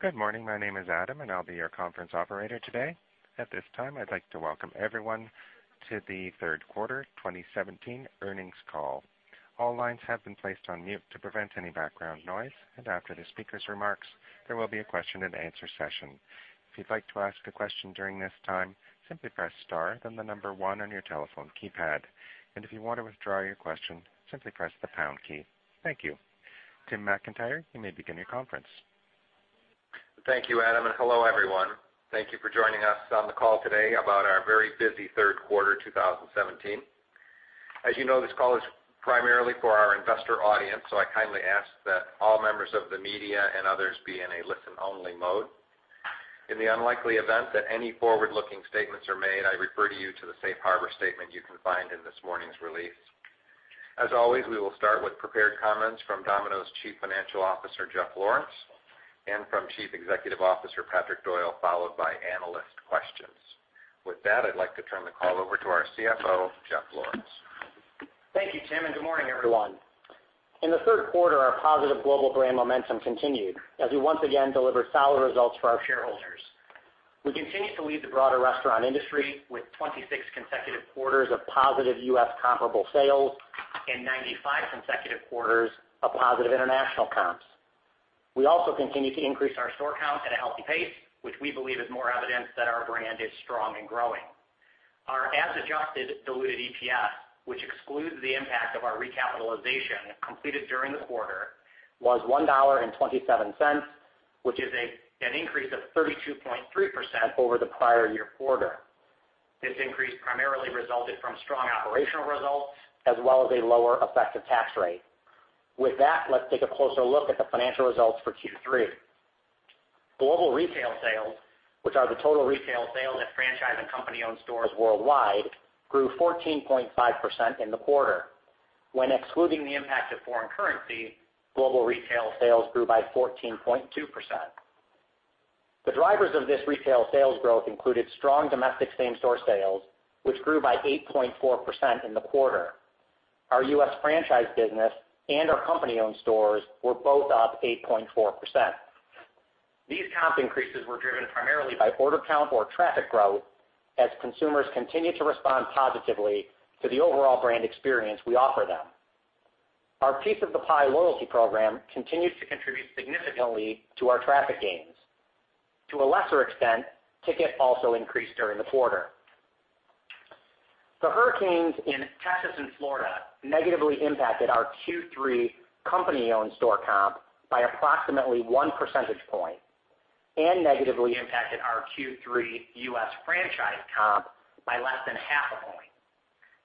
Good morning. My name is Adam, and I'll be your conference operator today. At this time, I'd like to welcome everyone to the third quarter 2017 earnings call. All lines have been placed on mute to prevent any background noise. After the speaker's remarks, there will be a question and answer session. If you'd like to ask a question during this time, simply press star, then the number one on your telephone keypad. If you want to withdraw your question, simply press the pound key. Thank you. Tim McIntyre, you may begin your conference. Thank you, Adam, and hello, everyone. Thank you for joining us on the call today about our very busy third quarter 2017. As you know, this call is primarily for our investor audience, I kindly ask that all members of the media and others be in a listen-only mode. In the unlikely event that any forward-looking statements are made, I refer you to the safe harbor statement you can find in this morning's release. As always, we will start with prepared comments from Domino's Chief Financial Officer, Jeff Lawrence, and from Chief Executive Officer, J. Patrick Doyle, followed by analyst questions. With that, I'd like to turn the call over to our CFO, Jeff Lawrence. Thank you, Tim, and good morning, everyone. In the third quarter, our positive global brand momentum continued as we once again delivered solid results for our shareholders. We continue to lead the broader restaurant industry with 26 consecutive quarters of positive U.S. comparable sales and 95 consecutive quarters of positive international comps. We also continue to increase our store count at a healthy pace, which we believe is more evidence that our brand is strong and growing. Our as-adjusted diluted EPS, which excludes the impact of our recapitalization completed during the quarter, was $1.27, which is an increase of 32.3% over the prior year quarter. This increase primarily resulted from strong operational results as well as a lower effective tax rate. With that, let's take a closer look at the financial results for Q3. Global retail sales, which are the total retail sales at franchise and company-owned stores worldwide, grew 14.5% in the quarter. When excluding the impact of foreign currency, global retail sales grew by 14.2%. The drivers of this retail sales growth included strong domestic same-store sales, which grew by 8.4% in the quarter. Our U.S. franchise business and our company-owned stores were both up 8.4%. These comp increases were driven primarily by order count or traffic growth as consumers continued to respond positively to the overall brand experience we offer them. Our Piece of the Pie loyalty program continues to contribute significantly to our traffic gains. To a lesser extent, ticket also increased during the quarter. The hurricanes in Texas and Florida negatively impacted our Q3 company-owned store comp by approximately one percentage point and negatively impacted our Q3 U.S. franchise comp by less than half a point.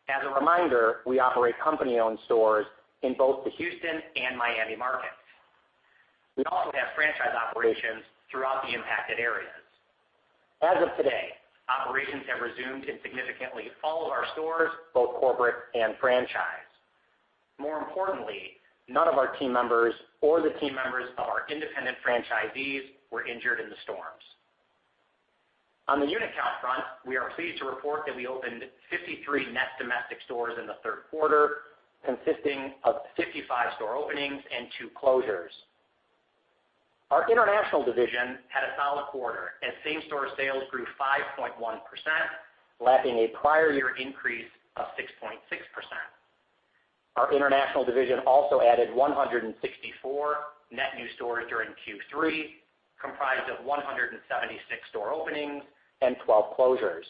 As a reminder, we operate company-owned stores in both the Houston and Miami markets. We also have franchise operations throughout the impacted areas. As of today, operations have resumed in significantly all of our stores, both corporate and franchise. More importantly, none of our team members or the team members of our independent franchisees were injured in the storms. On the unit count front, we are pleased to report that we opened 53 net domestic stores in the third quarter, consisting of 55 store openings and two closures. Our international division had a solid quarter, as same-store sales grew 5.1%, lapping a prior year increase of 6.6%. Our international division also added 164 net new stores during Q3, comprised of 176 store openings and 12 closures.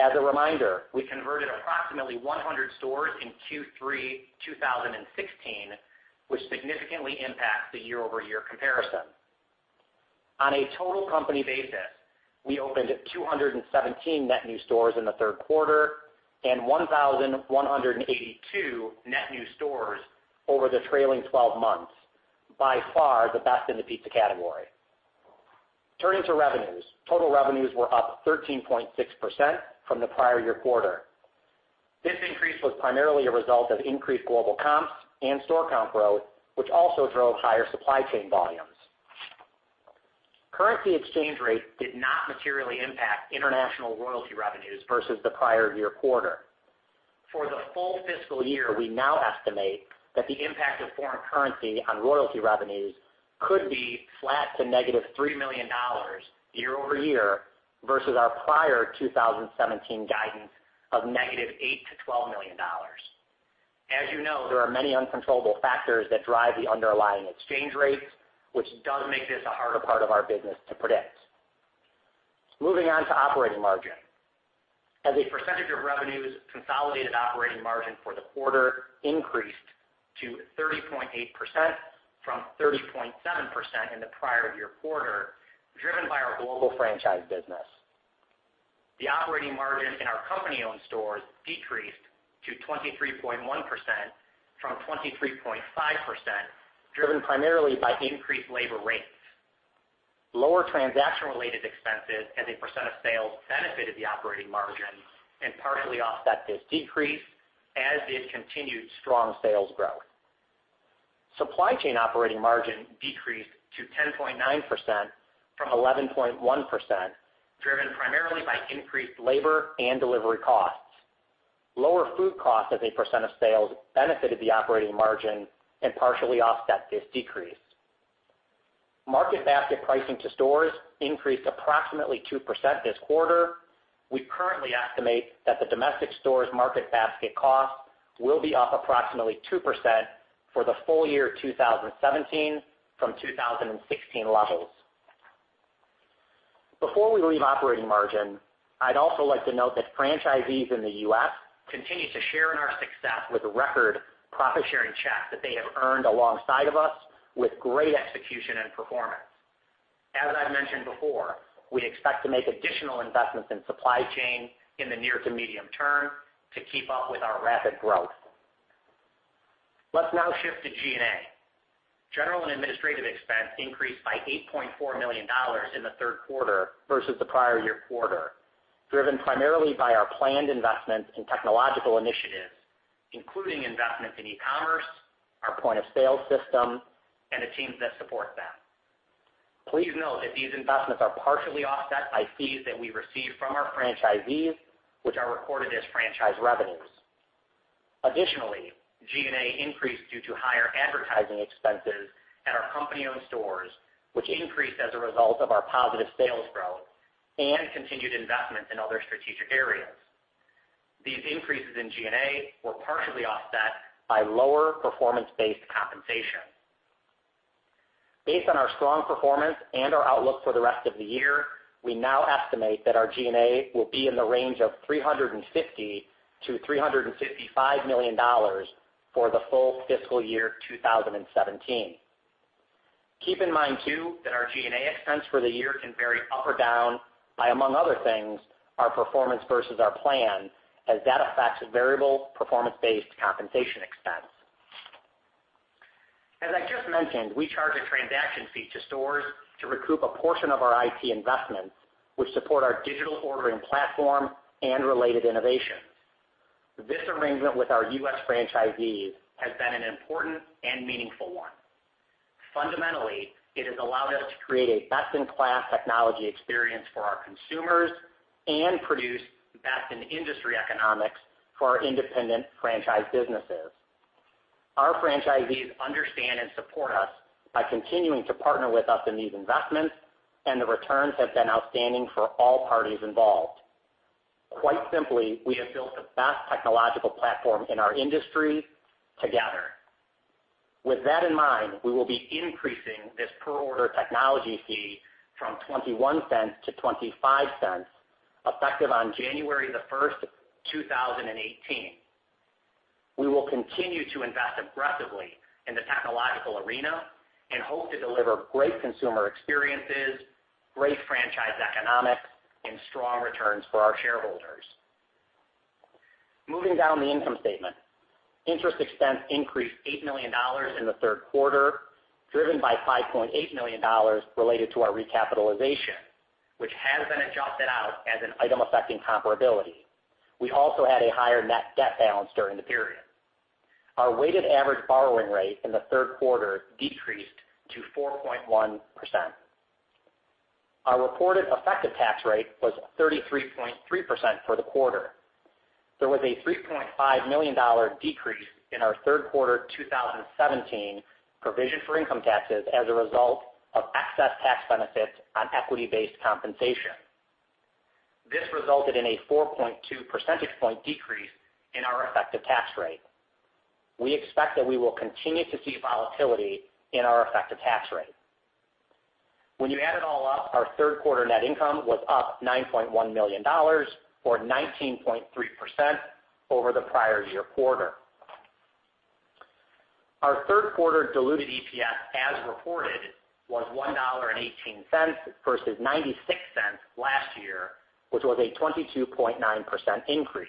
As a reminder, we converted approximately 100 stores in Q3 2016, which significantly impacts the year-over-year comparison. On a total company basis, we opened 217 net new stores in the third quarter and 1,182 net new stores over the trailing 12 months, by far the best in the pizza category. Turning to revenues. Total revenues were up 13.6% from the prior year quarter. This increase was primarily a result of increased global comps and store count growth, which also drove higher supply chain volumes. Currency exchange rates did not materially impact international royalty revenues versus the prior year quarter. For the full fiscal year, we now estimate that the impact of foreign currency on royalty revenues could be flat to negative $3 million year-over-year versus our prior 2017 guidance of negative $8 million to $12 million. As you know, there are many uncontrollable factors that drive the underlying exchange rates, which does make this a harder part of our business to predict. Moving on to operating margin. As a percentage of revenues, consolidated operating margin for the quarter increased to 30.8% from 30.7% in the prior year quarter, driven by our global franchise business. The operating margin in our company-owned stores decreased to 23.1% from 23.5%, driven primarily by increased labor rates. Lower transaction-related expenses as a % of sales benefited the operating margin and partially offset this decrease, as did continued strong sales growth. Supply chain operating margin decreased to 10.9% from 11.1%, driven primarily by increased labor and delivery costs. Lower food costs as a % of sales benefited the operating margin and partially offset this decrease. Market basket pricing to stores increased approximately 2% this quarter. We currently estimate that the domestic stores market basket cost will be up approximately 2% for the full year 2017 from 2016 levels. Before we leave operating margin, I'd also like to note that franchisees in the U.S. continue to share in our success with record profit-sharing checks that they have earned alongside of us with great execution and performance. As I've mentioned before, we expect to make additional investments in supply chain in the near to medium term to keep up with our rapid growth. Let's now shift to G&A. General and administrative expense increased by $8.4 million in the third quarter versus the prior year quarter, driven primarily by our planned investments in technological initiatives, including investments in e-commerce, our point-of-sale system, and the teams that support them. Please note that these investments are partially offset by fees that we receive from our franchisees, which are recorded as franchise revenues. Additionally, G&A increased due to higher advertising expenses at our company-owned stores, which increased as a result of our positive sales growth and continued investments in other strategic areas. These increases in G&A were partially offset by lower performance-based compensation. Based on our strong performance and our outlook for the rest of the year, we now estimate that our G&A will be in the range of $350 million-$355 million for the full fiscal year 2017. Keep in mind too, that our G&A expense for the year can vary up or down by, among other things, our performance versus our plan, as that affects variable performance-based compensation expense. As I just mentioned, we charge a transaction fee to stores to recoup a portion of our IT investments, which support our digital ordering platform and related innovations. This arrangement with our U.S. franchisees has been an important and meaningful one. Fundamentally, it has allowed us to create a best-in-class technology experience for our consumers and produce best-in-industry economics for our independent franchise businesses. Our franchisees understand and support us by continuing to partner with us in these investments, and the returns have been outstanding for all parties involved. Quite simply, we have built the best technological platform in our industry together. With that in mind, we will be increasing this per-order technology fee from $0.21 to $0.25, effective on January 1st, 2018. We will continue to invest aggressively in the technological arena and hope to deliver great consumer experiences, great franchise economics, and strong returns for our shareholders. Moving down the income statement. Interest expense increased $8 million in the third quarter, driven by $5.8 million related to our recapitalization, which has been adjusted out as an item affecting comparability. We also had a higher net debt balance during the period. Our weighted average borrowing rate in the third quarter decreased to 4.1%. Our reported effective tax rate was 33.3% for the quarter. There was a $3.5 million decrease in our third quarter 2017 provision for income taxes as a result of excess tax benefits on equity-based compensation. This resulted in a 4.2 percentage point decrease in our effective tax rate. We expect that we will continue to see volatility in our effective tax rate. When you add it all up, our third quarter net income was up $9.1 million or 19.3% over the prior year quarter. Our third quarter diluted EPS, as reported, was $1.18 versus $0.96 last year, which was a 22.9% increase.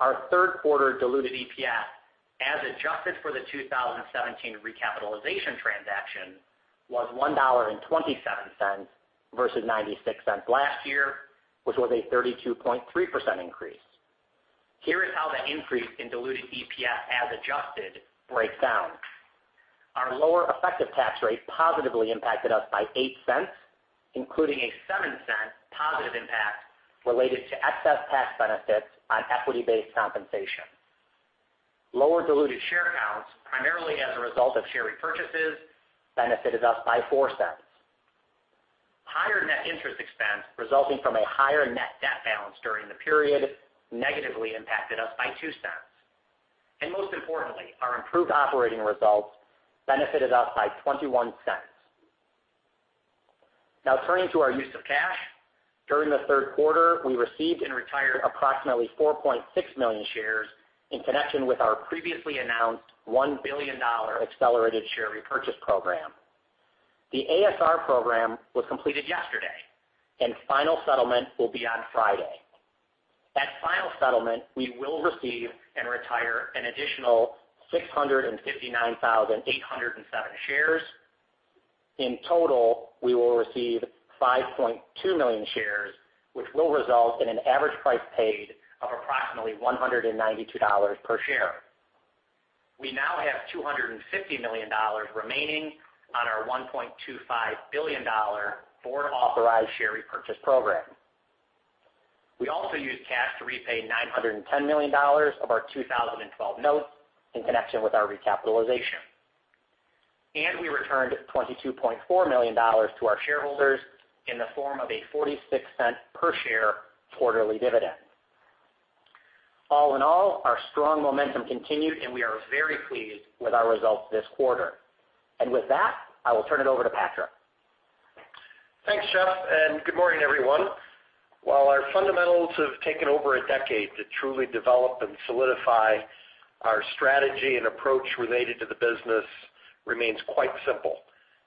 Our third quarter diluted EPS, as adjusted for the 2017 recapitalization transaction, was $1.27 versus $0.96 last year, which was a 32.3% increase. Here is how the increase in diluted EPS as adjusted breaks down. Our lower effective tax rate positively impacted us by $0.08, including a $0.07 positive impact related to excess tax benefits on equity-based compensation. Lower diluted share counts, primarily as a result of share repurchases, benefited us by $0.04. Higher net interest expense resulting from a higher net debt balance during the period negatively impacted us by $0.02. Most importantly, our improved operating results benefited us by $0.21. Turning to our use of cash. During the third quarter, we received and retired approximately 4.6 million shares in connection with our previously announced $1 billion accelerated share repurchase program. The ASR program was completed yesterday, and final settlement will be on Friday. At final settlement, we will receive and retire an additional 659,807 shares. In total, we will receive 5.2 million shares, which will result in an average price paid of approximately $192 per share. We now have $250 million remaining on our $1.25 billion board-authorized share repurchase program. We also used cash to repay $910 million of our 2012 notes in connection with our recapitalization. We returned $22.4 million to our shareholders in the form of a $0.46 per share quarterly dividend. All in all, our strong momentum continued, and we are very pleased with our results this quarter. With that, I will turn it over to Patrick. Thanks, Jeff. Good morning, everyone. While our fundamentals have taken over a decade to truly develop and solidify, our strategy and approach related to the business remains quite simple,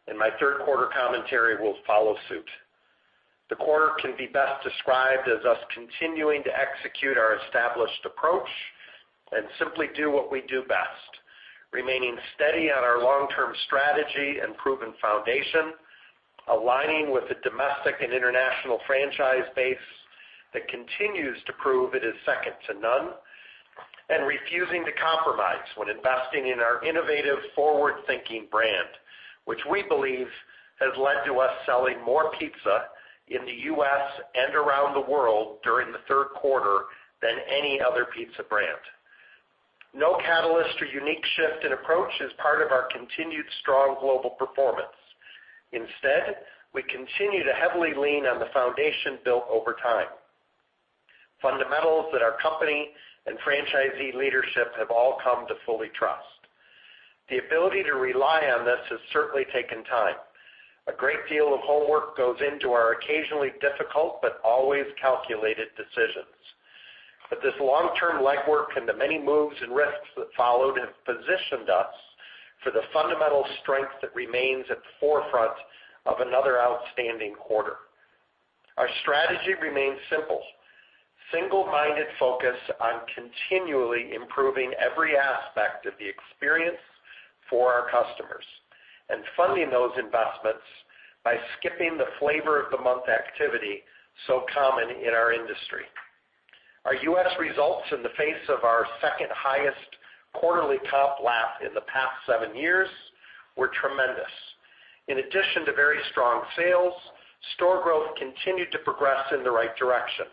and my third quarter commentary will follow suit. The quarter can be best described as us continuing to execute our established approach and simply do what we do best, remaining steady on our long-term strategy and proven foundation, aligning with the domestic and international franchise base that continues to prove it is second to none, and refusing to compromise when investing in our innovative, forward-thinking brand, which we believe has led to us selling more pizza in the U.S. and around the world during the third quarter than any other pizza brand. No catalyst or unique shift in approach is part of our continued strong global performance. Instead, we continue to heavily lean on the foundation built over time. Fundamentals that our company and franchisee leadership have all come to fully trust. The ability to rely on this has certainly taken time. A great deal of homework goes into our occasionally difficult but always calculated decisions. This long-term legwork and the many moves and risks that followed have positioned us for the fundamental strength that remains at the forefront of another outstanding quarter. Our strategy remains simple. Single-minded focus on continually improving every aspect of the experience for our customers and funding those investments by skipping the flavor of the month activity so common in our industry. Our U.S. results in the face of our second highest quarterly comp lap in the past seven years were tremendous. In addition to very strong sales, store growth continued to progress in the right direction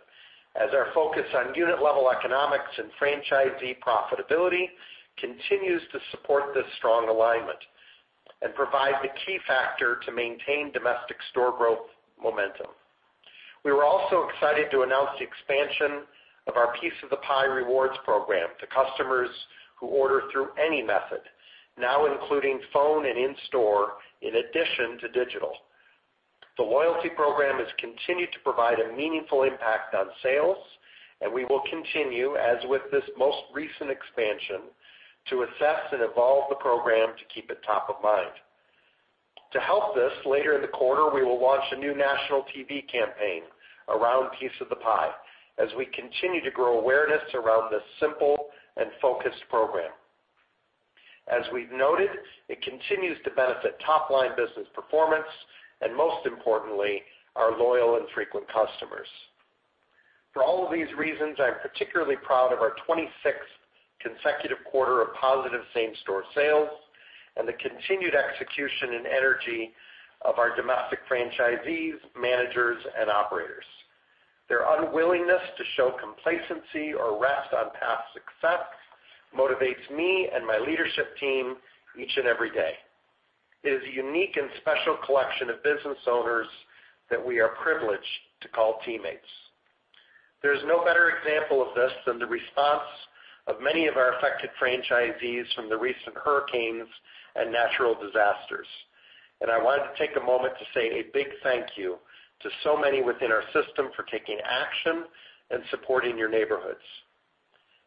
as our focus on unit level economics and franchisee profitability continues to support this strong alignment and provide the key factor to maintain domestic store growth momentum. We were also excited to announce the expansion of our Piece of the Pie Rewards program to customers who order through any method, now including phone and in-store, in addition to digital. The loyalty program has continued to provide a meaningful impact on sales. We will continue, as with this most recent expansion, to assess and evolve the program to keep it top of mind. To help this, later in the quarter, we will launch a new national TV campaign around Piece of the Pie as we continue to grow awareness around this simple and focused program. As we've noted, it continues to benefit top-line business performance and most importantly, our loyal and frequent customers. For all of these reasons, I'm particularly proud of our 26th consecutive quarter of positive same-store sales and the continued execution and energy of our domestic franchisees, managers, and operators. Their unwillingness to show complacency or rest on past success motivates me and my leadership team each and every day. It is a unique and special collection of business owners that we are privileged to call teammates. There is no better example of this than the response of many of our affected franchisees from the recent hurricanes and natural disasters. I wanted to take a moment to say a big thank you to so many within our system for taking action and supporting your neighborhoods.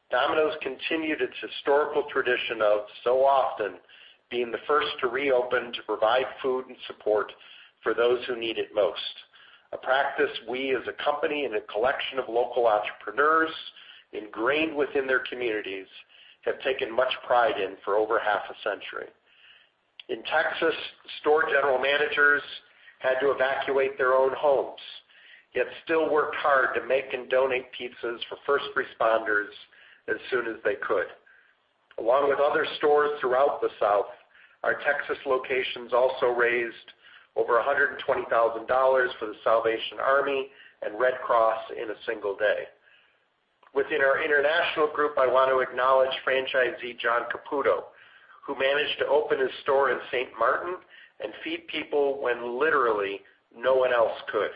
Domino's continued its historical tradition of so often being the first to reopen to provide food and support for those who need it most. A practice we, as a company and a collection of local entrepreneurs ingrained within their communities, have taken much pride in for over half a century. In Texas, store general managers had to evacuate their own homes, yet still worked hard to make and donate pizzas for first responders as soon as they could. Along with other stores throughout the South, our Texas locations also raised over $120,000 for The Salvation Army and Red Cross in a single day. Within our international group, I want to acknowledge franchisee John Caputo, who managed to open his store in St. Martin and feed people when literally no one else could.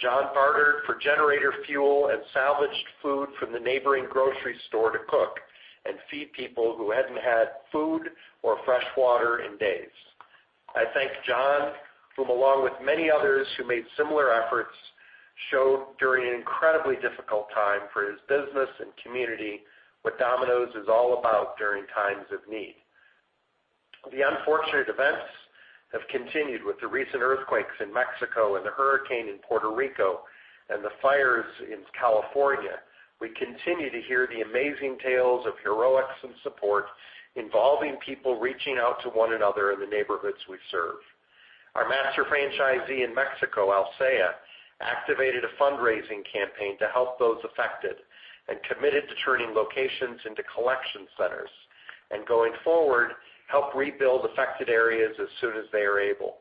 John bartered for generator fuel and salvaged food from the neighboring grocery store to cook and feed people who hadn't had food or fresh water in days. I thank John, whom along with many others who made similar efforts, showed during an incredibly difficult time for his business and community what Domino's is all about during times of need. The unfortunate events have continued with the recent earthquakes in Mexico and the hurricane in Puerto Rico and the fires in California. We continue to hear the amazing tales of heroics and support involving people reaching out to one another in the neighborhoods we serve. Our master franchisee in Mexico, Alsea, activated a fundraising campaign to help those affected, and committed to turning locations into collection centers. Going forward, help rebuild affected areas as soon as they are able.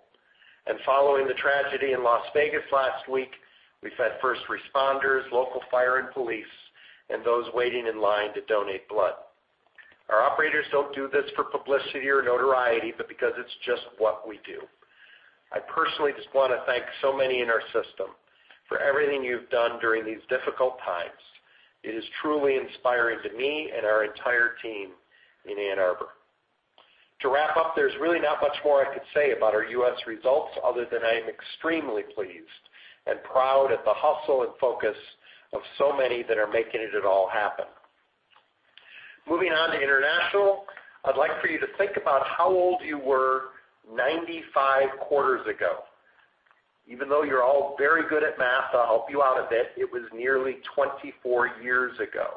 Following the tragedy in Las Vegas last week, we fed first responders, local fire and police, and those waiting in line to donate blood. Our operators don't do this for publicity or notoriety, but because it's just what we do. I personally just want to thank so many in our system for everything you've done during these difficult times. It is truly inspiring to me and our entire team in Ann Arbor. To wrap up, there's really not much more I could say about our U.S. results other than I am extremely pleased and proud at the hustle and focus of so many that are making it at all happen. Moving on to international, I'd like for you to think about how old you were 95 quarters ago. Even though you're all very good at math, I'll help you out a bit. It was nearly 24 years ago.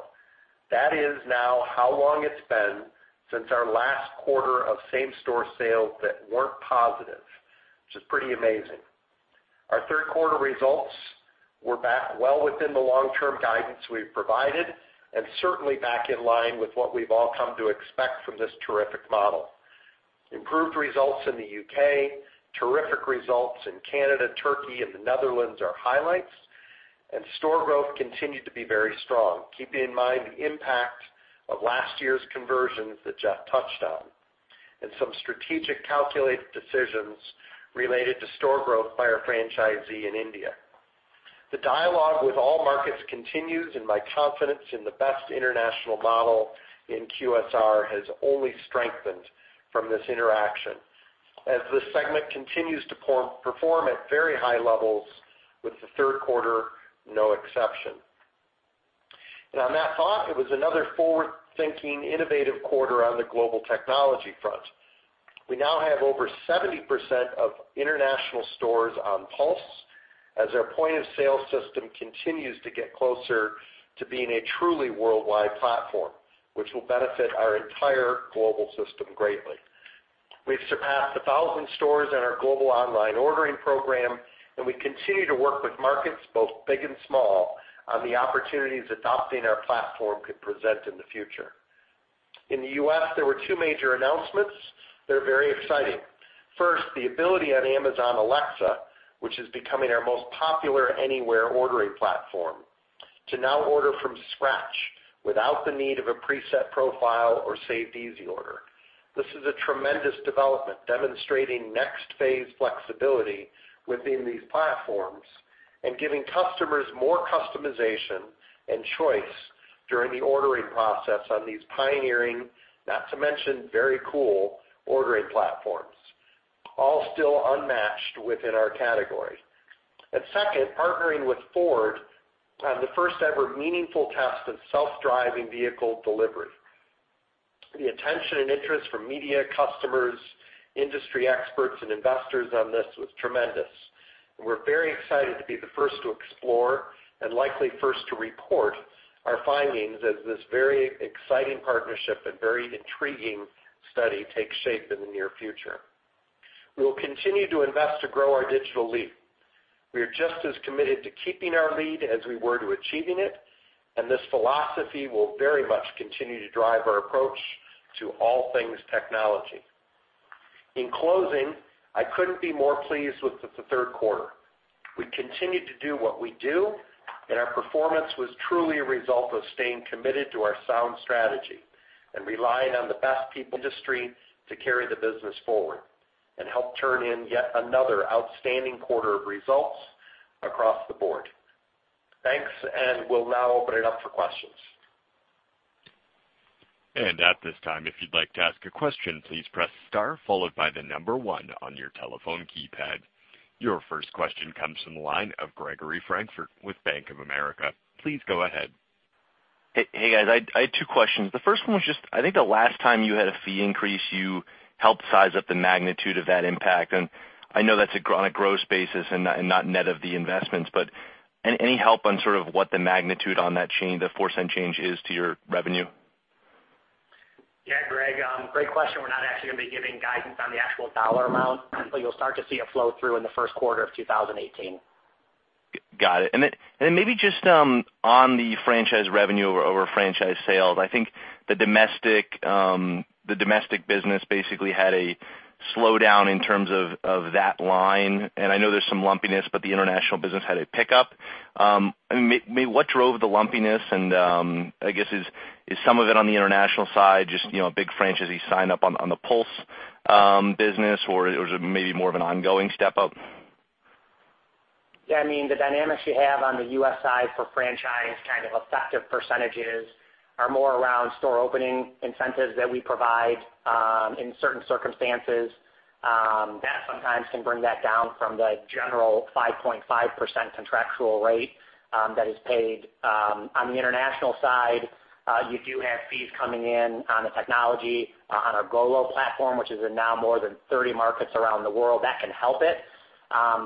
That is now how long it's been since our last quarter of same-store sales that weren't positive, which is pretty amazing. Our third quarter results were back well within the long-term guidance we've provided, and certainly back in line with what we've all come to expect from this terrific model. Improved results in the U.K., terrific results in Canada, Turkey, and the Netherlands are highlights, and store growth continued to be very strong. Keeping in mind the impact of last year's conversions that Jeff touched on, and some strategic calculated decisions related to store growth by our franchisee in India. The dialogue with all markets continues, and my confidence in the best international model in QSR has only strengthened from this interaction, as this segment continues to perform at very high levels with the third quarter, no exception. On that thought, it was another forward-thinking, innovative quarter on the global technology front. We now have over 70% of international stores on Pulse as our point-of-sale system continues to get closer to being a truly worldwide platform, which will benefit our entire global system greatly. We've surpassed 1,000 stores on our global online ordering program, and we continue to work with markets, both big and small, on the opportunities adopting our platform could present in the future. In the U.S., there were two major announcements that are very exciting. First, the ability on Amazon Alexa, which is becoming our most popular anywhere ordering platform, to now order from scratch without the need of a preset profile or saved easy order. This is a tremendous development demonstrating next-phase flexibility within these platforms and giving customers more customization and choice during the ordering process on these pioneering, not to mention, very cool ordering platforms, all still unmatched within our category. Second, partnering with Ford on the first-ever meaningful test of self-driving vehicle delivery. The attention and interest from media, customers, industry experts, and investors on this was tremendous, and we're very excited to be the first to explore and likely first to report our findings as this very exciting partnership and very intriguing study takes shape in the near future. We will continue to invest to grow our digital lead. We are just as committed to keeping our lead as we were to achieving it, and this philosophy will very much continue to drive our approach to all things technology. In closing, I couldn't be more pleased with the third quarter. We continued to do what we do, and our performance was truly a result of staying committed to our sound strategy and relying on the best people industry to carry the business forward and help turn in yet another outstanding quarter of results across the board. Thanks. We'll now open it up for questions. At this time, if you'd like to ask a question, please press star followed by the number 1 on your telephone keypad. Your first question comes from the line of Gregory Francfort with Bank of America. Please go ahead. Hey, guys. I had two questions. The first one was just, I think the last time you had a fee increase, you helped size up the magnitude of that impact, and I know that's on a gross basis and not net of the investments. Any help on what the magnitude on that $0.04 change is to your revenue? Yeah, Greg, great question. We're not actually going to be giving guidance on the actual dollar amount, but you'll start to see it flow through in the first quarter of 2018. Got it. Maybe just on the franchise revenue over franchise sales, I think the domestic business basically had a slowdown in terms of that line, and I know there's some lumpiness, but the international business had a pickup. What drove the lumpiness? I guess is some of it on the international side, just a big franchisee sign-up on the Pulse business, or it was maybe more of an ongoing step up? Yeah. The dynamics you have on the U.S. side for franchise kind of effective percentages are more around store opening incentives that we provide in certain circumstances. That sometimes can bring that down from the general 5.5% contractual rate that is paid. On the international side, you do have fees coming in on the technology on our DomOS platform, which is in now more than 30 markets around the world. That can help it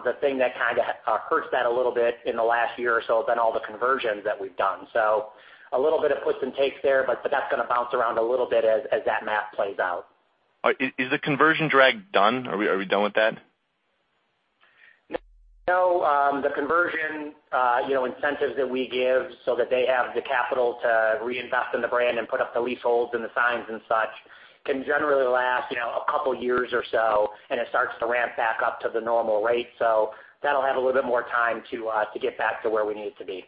The thing that kind of hurts that a little bit in the last year or so has been all the conversions that we've done. A little bit of push and takes there, but that's going to bounce around a little bit as that math plays out. Is the conversion drag done? Are we done with that? No. The conversion incentives that we give so that they have the capital to reinvest in the brand and put up the leaseholds and the signs and such, can generally last a couple years or so, and it starts to ramp back up to the normal rate. That'll have a little bit more time to get back to where we need it to be.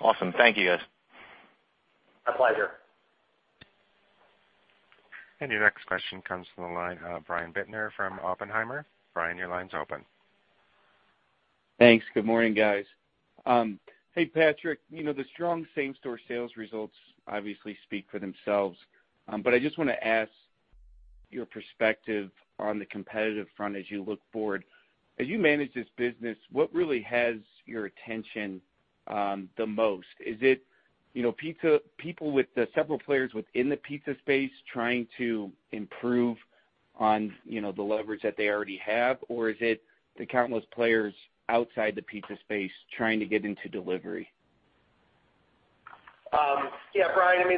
Awesome. Thank you, guys. A pleasure. Your next question comes from the line, Brian Bittner from Oppenheimer. Brian, your line's open. Thanks. Good morning, guys. Hey, Patrick. The strong same-store sales results obviously speak for themselves. I just want to ask your perspective on the competitive front as you look forward. As you manage this business, what really has your attention the most? Is it people with the several players within the pizza space trying to improve on the leverage that they already have, or is it the countless players outside the pizza space trying to get into delivery? Yeah, Brian,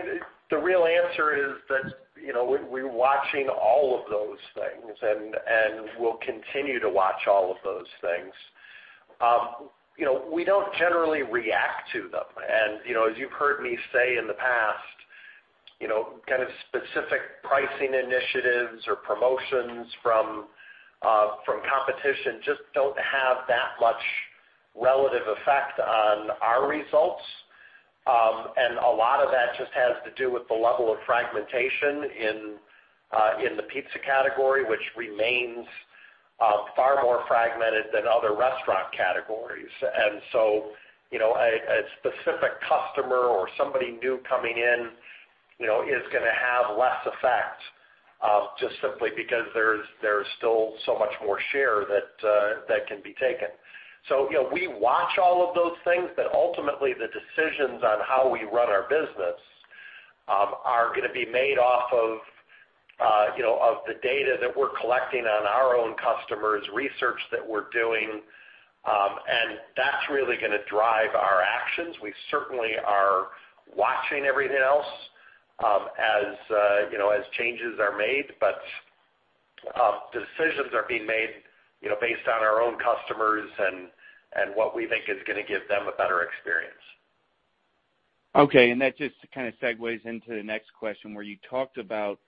the real answer is that we're watching all of those things, we'll continue to watch all of those things. We don't generally react to them. As you've heard me say in the past, kind of specific pricing initiatives or promotions from competition just don't have that much relative effect on our results. A lot of that just has to do with the level of fragmentation in the pizza category, which remains far more fragmented than other restaurant categories. A specific customer or somebody new coming in is going to have less effect, just simply because there's still so much more share that can be taken. We watch all of those things, ultimately the decisions on how we run our business are going to be made off of the data that we're collecting on our own customers, research that we're doing, that's really going to drive our actions. We certainly are watching everything else as changes are made. Decisions are being made based on our own customers, what we think is going to give them a better experience. Okay, that just kind of segues into the next question where you talked about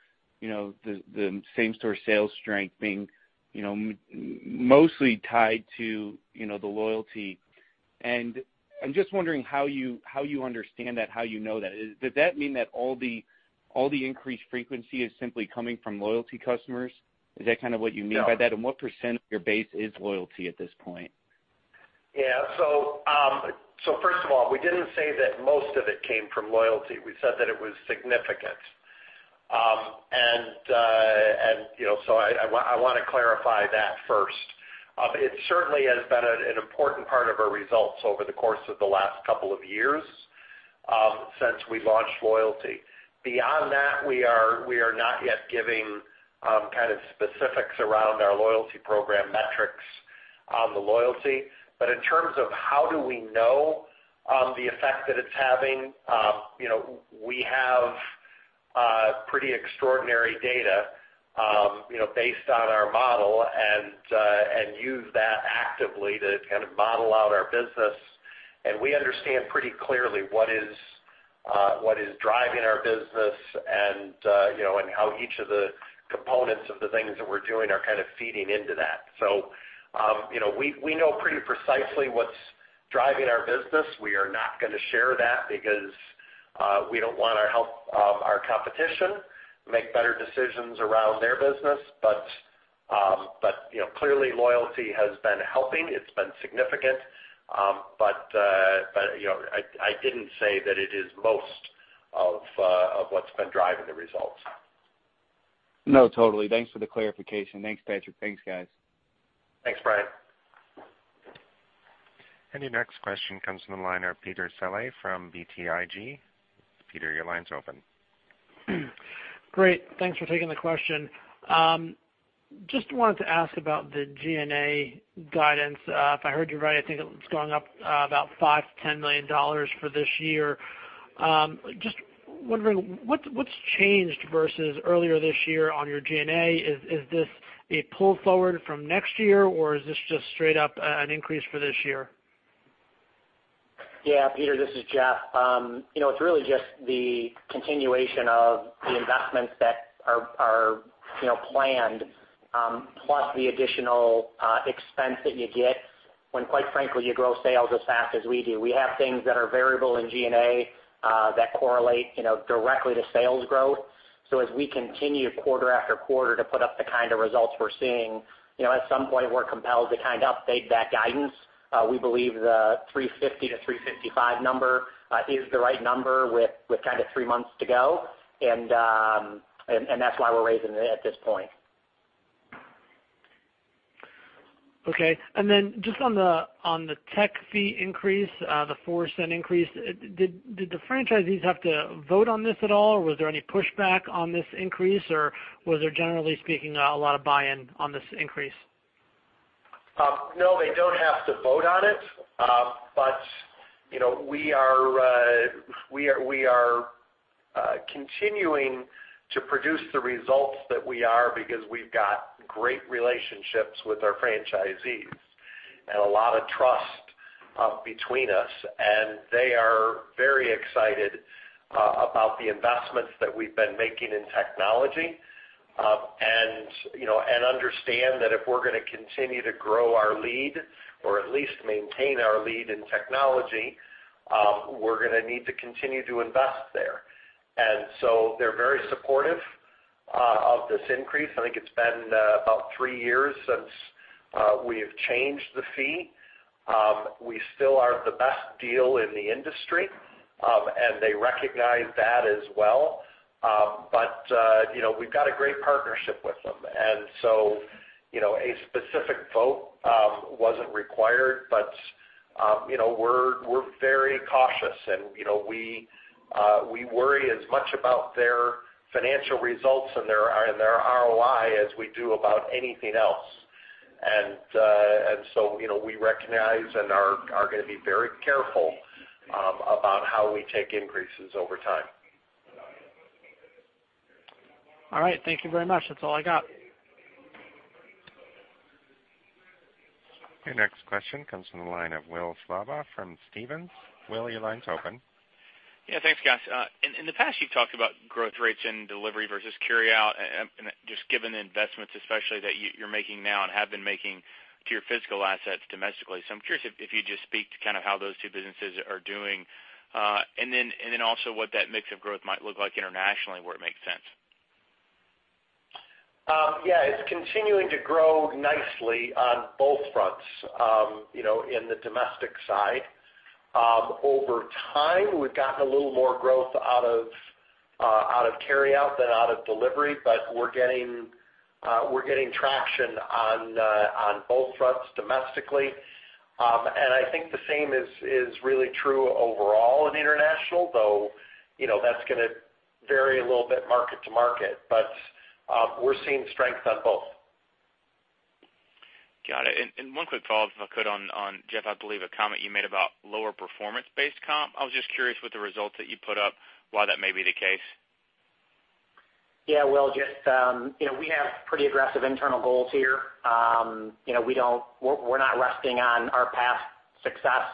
the same-store sales strength being mostly tied to the loyalty. I'm just wondering how you understand that, how you know that. Does that mean that all the increased frequency is simply coming from loyalty customers? Is that kind of what you mean by that? No. What % of your base is loyalty at this point? Yeah. First of all, we didn't say that most of it came from loyalty. We said that it was significant. I want to clarify that first. It certainly has been an important part of our results over the course of the last couple of years since we launched loyalty. Beyond that, we are not yet giving kind of specifics around our loyalty program metrics on the loyalty. In terms of how do we know the effect that it's having, we have pretty extraordinary data based on our model and use that actively to kind of model out our business. We understand pretty clearly what is driving our business and how each of the components of the things that we're doing are kind of feeding into that. We know pretty precisely what's driving our business. We are not going to share that because we don't want to help our competition make better decisions around their business. Clearly loyalty has been helping. It's been significant. I didn't say that it is most of what's been driving the results. No, totally. Thanks for the clarification. Thanks, Patrick. Thanks, guys. Thanks, Brian. Your next question comes from the line of Peter Saleh from BTIG. Peter, your line's open. Great. Thanks for taking the question. Just wanted to ask about the G&A guidance. If I heard you right, I think it's going up about $5 million-$10 million for this year. Just wondering what's changed versus earlier this year on your G&A. Is this a pull forward from next year, or is this just straight up an increase for this year? Yeah. Peter, this is Jeff. It's really just the continuation of the investments that are planned, plus the additional expense that you get when, quite frankly, you grow sales as fast as we do. We have things that are variable in G&A that correlate directly to sales growth. As we continue quarter after quarter to put up the kind of results we're seeing, at some point we're compelled to kind of update that guidance. We believe the $350-$355 number is the right number with kind of three months to go. That's why we're raising it at this point. Okay. Then just on the tech fee increase, the $0.04 increase, did the franchisees have to vote on this at all, or was there any pushback on this increase, or was there, generally speaking, a lot of buy-in on this increase? No, they don't have to vote on it. We are continuing to produce the results that we are because we've got great relationships with our franchisees and a lot of trust between us, and they are very excited about the investments that we've been making in technology. Understand that if we're going to continue to grow our lead, or at least maintain our lead in technology, we're going to need to continue to invest there. They're very supportive of this increase. I think it's been about three years since we've changed the fee. We still are the best deal in the industry, and they recognize that as well. We've got a great partnership with them, and so a specific vote wasn't required. We're very cautious and we worry as much about their financial results and their ROI as we do about anything else. We recognize and are going to be very careful about how we take increases over time. All right. Thank you very much. That's all I got. Your next question comes from the line of Will Slabaugh from Stephens. Will, your line's open. Yeah. Thanks, guys. In the past, you've talked about growth rates in delivery versus carryout and just given the investments especially that you're making now and have been making to your physical assets domestically. I'm curious if you'd just speak to kind of how those two businesses are doing. Also what that mix of growth might look like internationally, where it makes sense. Yeah. It's continuing to grow nicely on both fronts in the domestic side. Over time, we've gotten a little more growth out of carryout than out of delivery, but we're getting traction on both fronts domestically. I think the same is really true overall in international, though that's going to vary a little bit market to market, but we're seeing strength on both. Got it. One quick follow-up, if I could on, Jeff, I believe a comment you made about lower performance-based comp. I was just curious with the results that you put up, why that may be the case. Yeah, Will, just we have pretty aggressive internal goals here. We're not resting on our past success.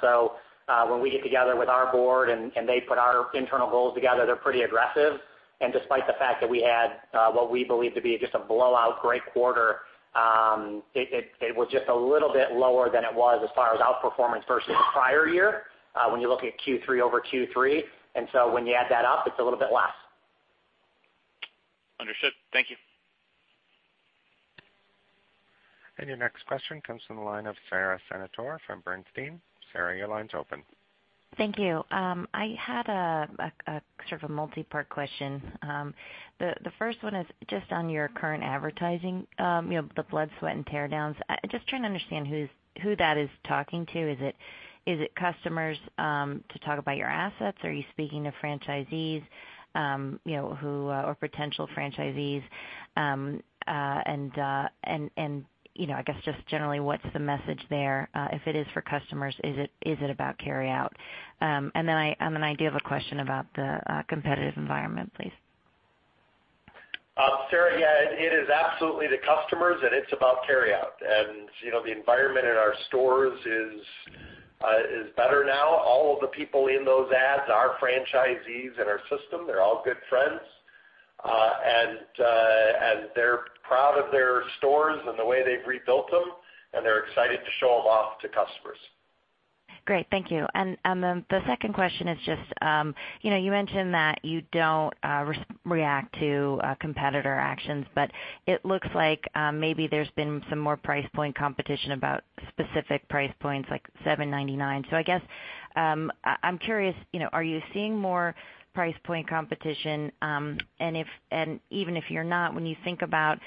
When we get together with our board and they put our internal goals together, they're pretty aggressive. Despite the fact that we had what we believe to be just a blowout great quarter, it was just a little bit lower than it was as far as outperformance versus the prior year, when you're looking at Q3 over Q3. When you add that up, it's a little bit less. Understood. Thank you. Your next question comes from the line of Sara Senatore from Bernstein. Sara, your line's open. Thank you. I had sort of a multi-part question. The first one is just on your current advertising, the blood, sweat, and tear downs. Just trying to understand who that is talking to. Is it customers to talk about your assets? Are you speaking to franchisees or potential franchisees? I guess just generally, what's the message there? If it is for customers, is it about carryout? I do have a question about the competitive environment, please. Sara, it is absolutely the customers, it's about carryout. The environment in our stores is better now. All of the people in those ads are franchisees in our system. They're all good friends. They're proud of their stores and the way they've rebuilt them, they're excited to show them off to customers. Great. Thank you. The second question is just, you mentioned that you don't react to competitor actions, it looks like maybe there's been some more price point competition about specific price points, like $7.99. I guess, I'm curious, are you seeing more price point competition? Even if you're not, when you think about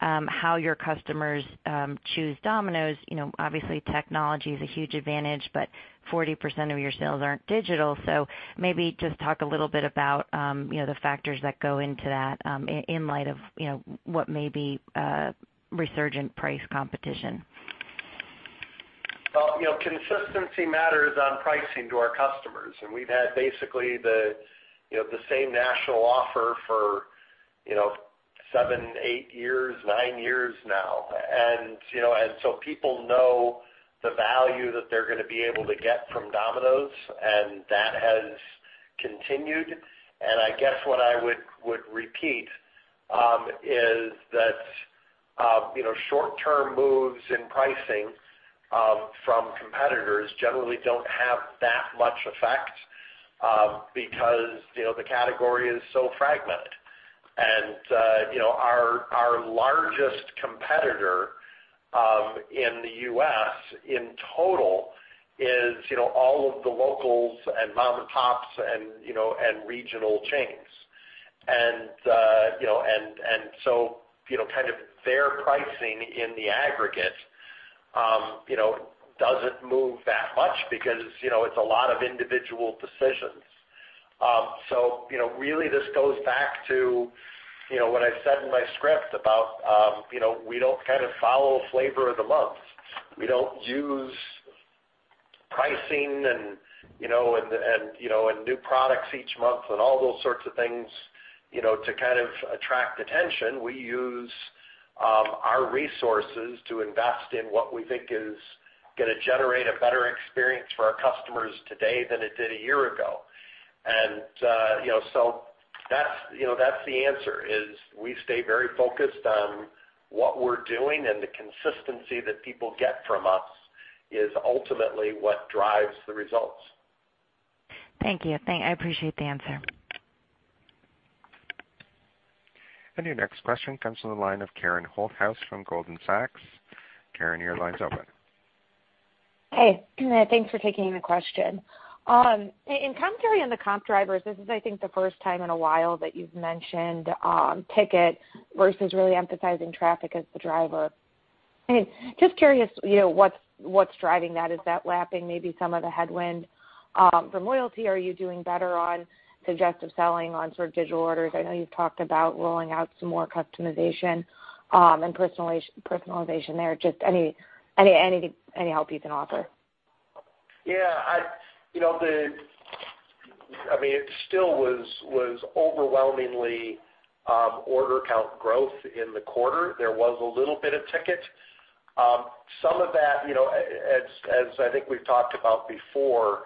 how your customers choose Domino's, obviously technology is a huge advantage, but 40% of your sales aren't digital. Maybe just talk a little bit about the factors that go into that in light of what may be resurgent price competition. Consistency matters on pricing to our customers. We've had basically the same national offer for seven, eight years, nine years now. People know the value that they're going to be able to get from Domino's, and that has continued. I guess what I would repeat is that short-term moves in pricing from competitors generally don't have that much effect because the category is so fragmented. Our largest competitor in the U.S. in total is all of the locals and mom and pops and regional chains. Their pricing in the aggregate doesn't move that much because it's a lot of individual decisions. Really this goes back to what I said in my script about we don't follow flavor of the month. We don't use pricing and new products each month and all those sorts of things to attract attention. We use our resources to invest in what we think is going to generate a better experience for our customers today than it did a year ago. That's the answer is we stay very focused on what we're doing, and the consistency that people get from us is ultimately what drives the results. Thank you. I appreciate the answer. Your next question comes from the line of Karen Holthouse from Goldman Sachs. Karen, your line's open. Hey. Thanks for taking the question. In comp carry and the comp drivers, this is, I think, the first time in a while that you've mentioned ticket versus really emphasizing traffic as the driver. Just curious, what's driving that? Is that lapping maybe some of the headwind from loyalty? Are you doing better on suggestive selling on digital orders? I know you've talked about rolling out some more customization and personalization there. Just any help you can offer. Yeah. It still was overwhelmingly order count growth in the quarter. There was a little bit of ticket. Some of that, as I think we've talked about before,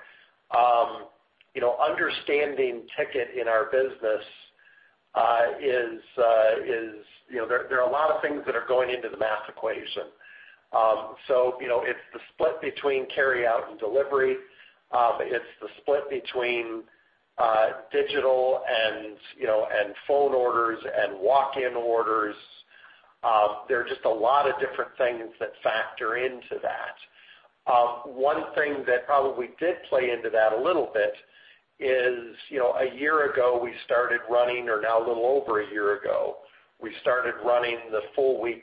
understanding ticket in our business is there are a lot of things that are going into the math equation. It's the split between carry out and delivery. It's the split between digital and phone orders and walk-in orders. There are just a lot of different things that factor into that. One thing that probably did play into that a little bit is, a year ago, we started running, or now a little over a year ago, we started running the full week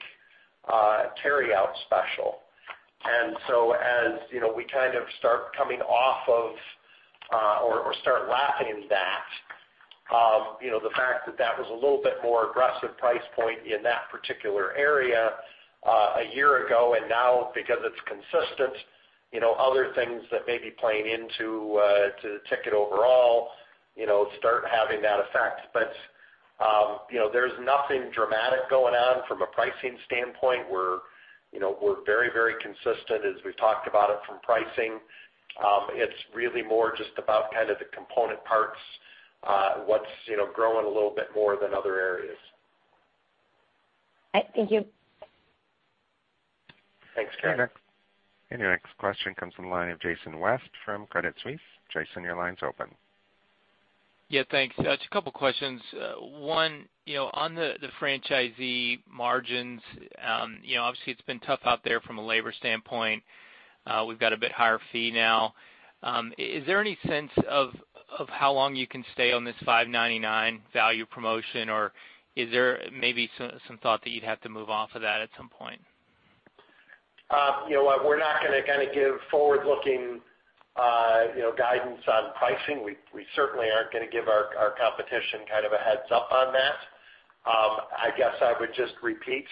carry out special. As we start coming off of or start lapping that, the fact that was a little bit more aggressive price point in that particular area a year ago, and now, because it's consistent, other things that may be playing into the ticket overall start having that effect. There's nothing dramatic going on from a pricing standpoint. We're very consistent as we've talked about it from pricing. It's really more just about the component parts, what's growing a little bit more than other areas. Thank you. Thanks, Karen. Your next question comes from the line of Jason West from Credit Suisse. Jason, your line's open. Yeah, thanks. Just a couple questions. One, on the franchisee margins, obviously it's been tough out there from a labor standpoint. We've got a bit higher fee now. Is there any sense of how long you can stay on this $5.99 value promotion, or is there maybe some thought that you'd have to move off of that at some point? We're not going to give forward-looking guidance on pricing. We certainly aren't going to give our competition a heads up on that. I guess I would just repeat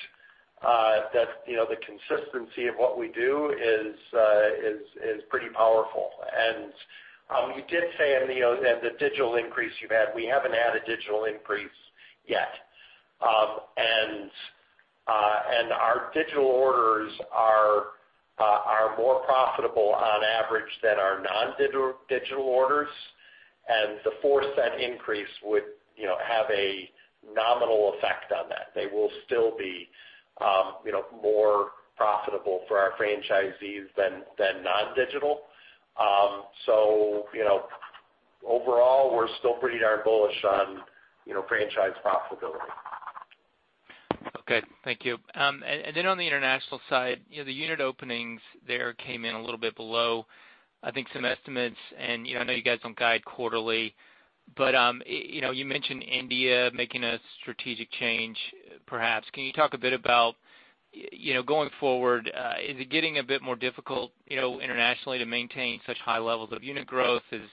that the consistency of what we do is pretty powerful. You did say in the digital increase you've had, we haven't had a digital increase yet. Our digital orders are more profitable on average than our non-digital orders, and the $0.04 increase would have a nominal effect on that. They will still be more profitable for our franchisees than non-digital. Overall, we're still pretty darn bullish on franchise profitability. Okay. Thank you. Then on the international side, the unit openings there came in a little bit below, I think, some estimates. I know you guys don't guide quarterly, you mentioned India making a strategic change, perhaps. Can you talk a bit about going forward, is it getting a bit more difficult internationally to maintain such high levels of unit growth? Is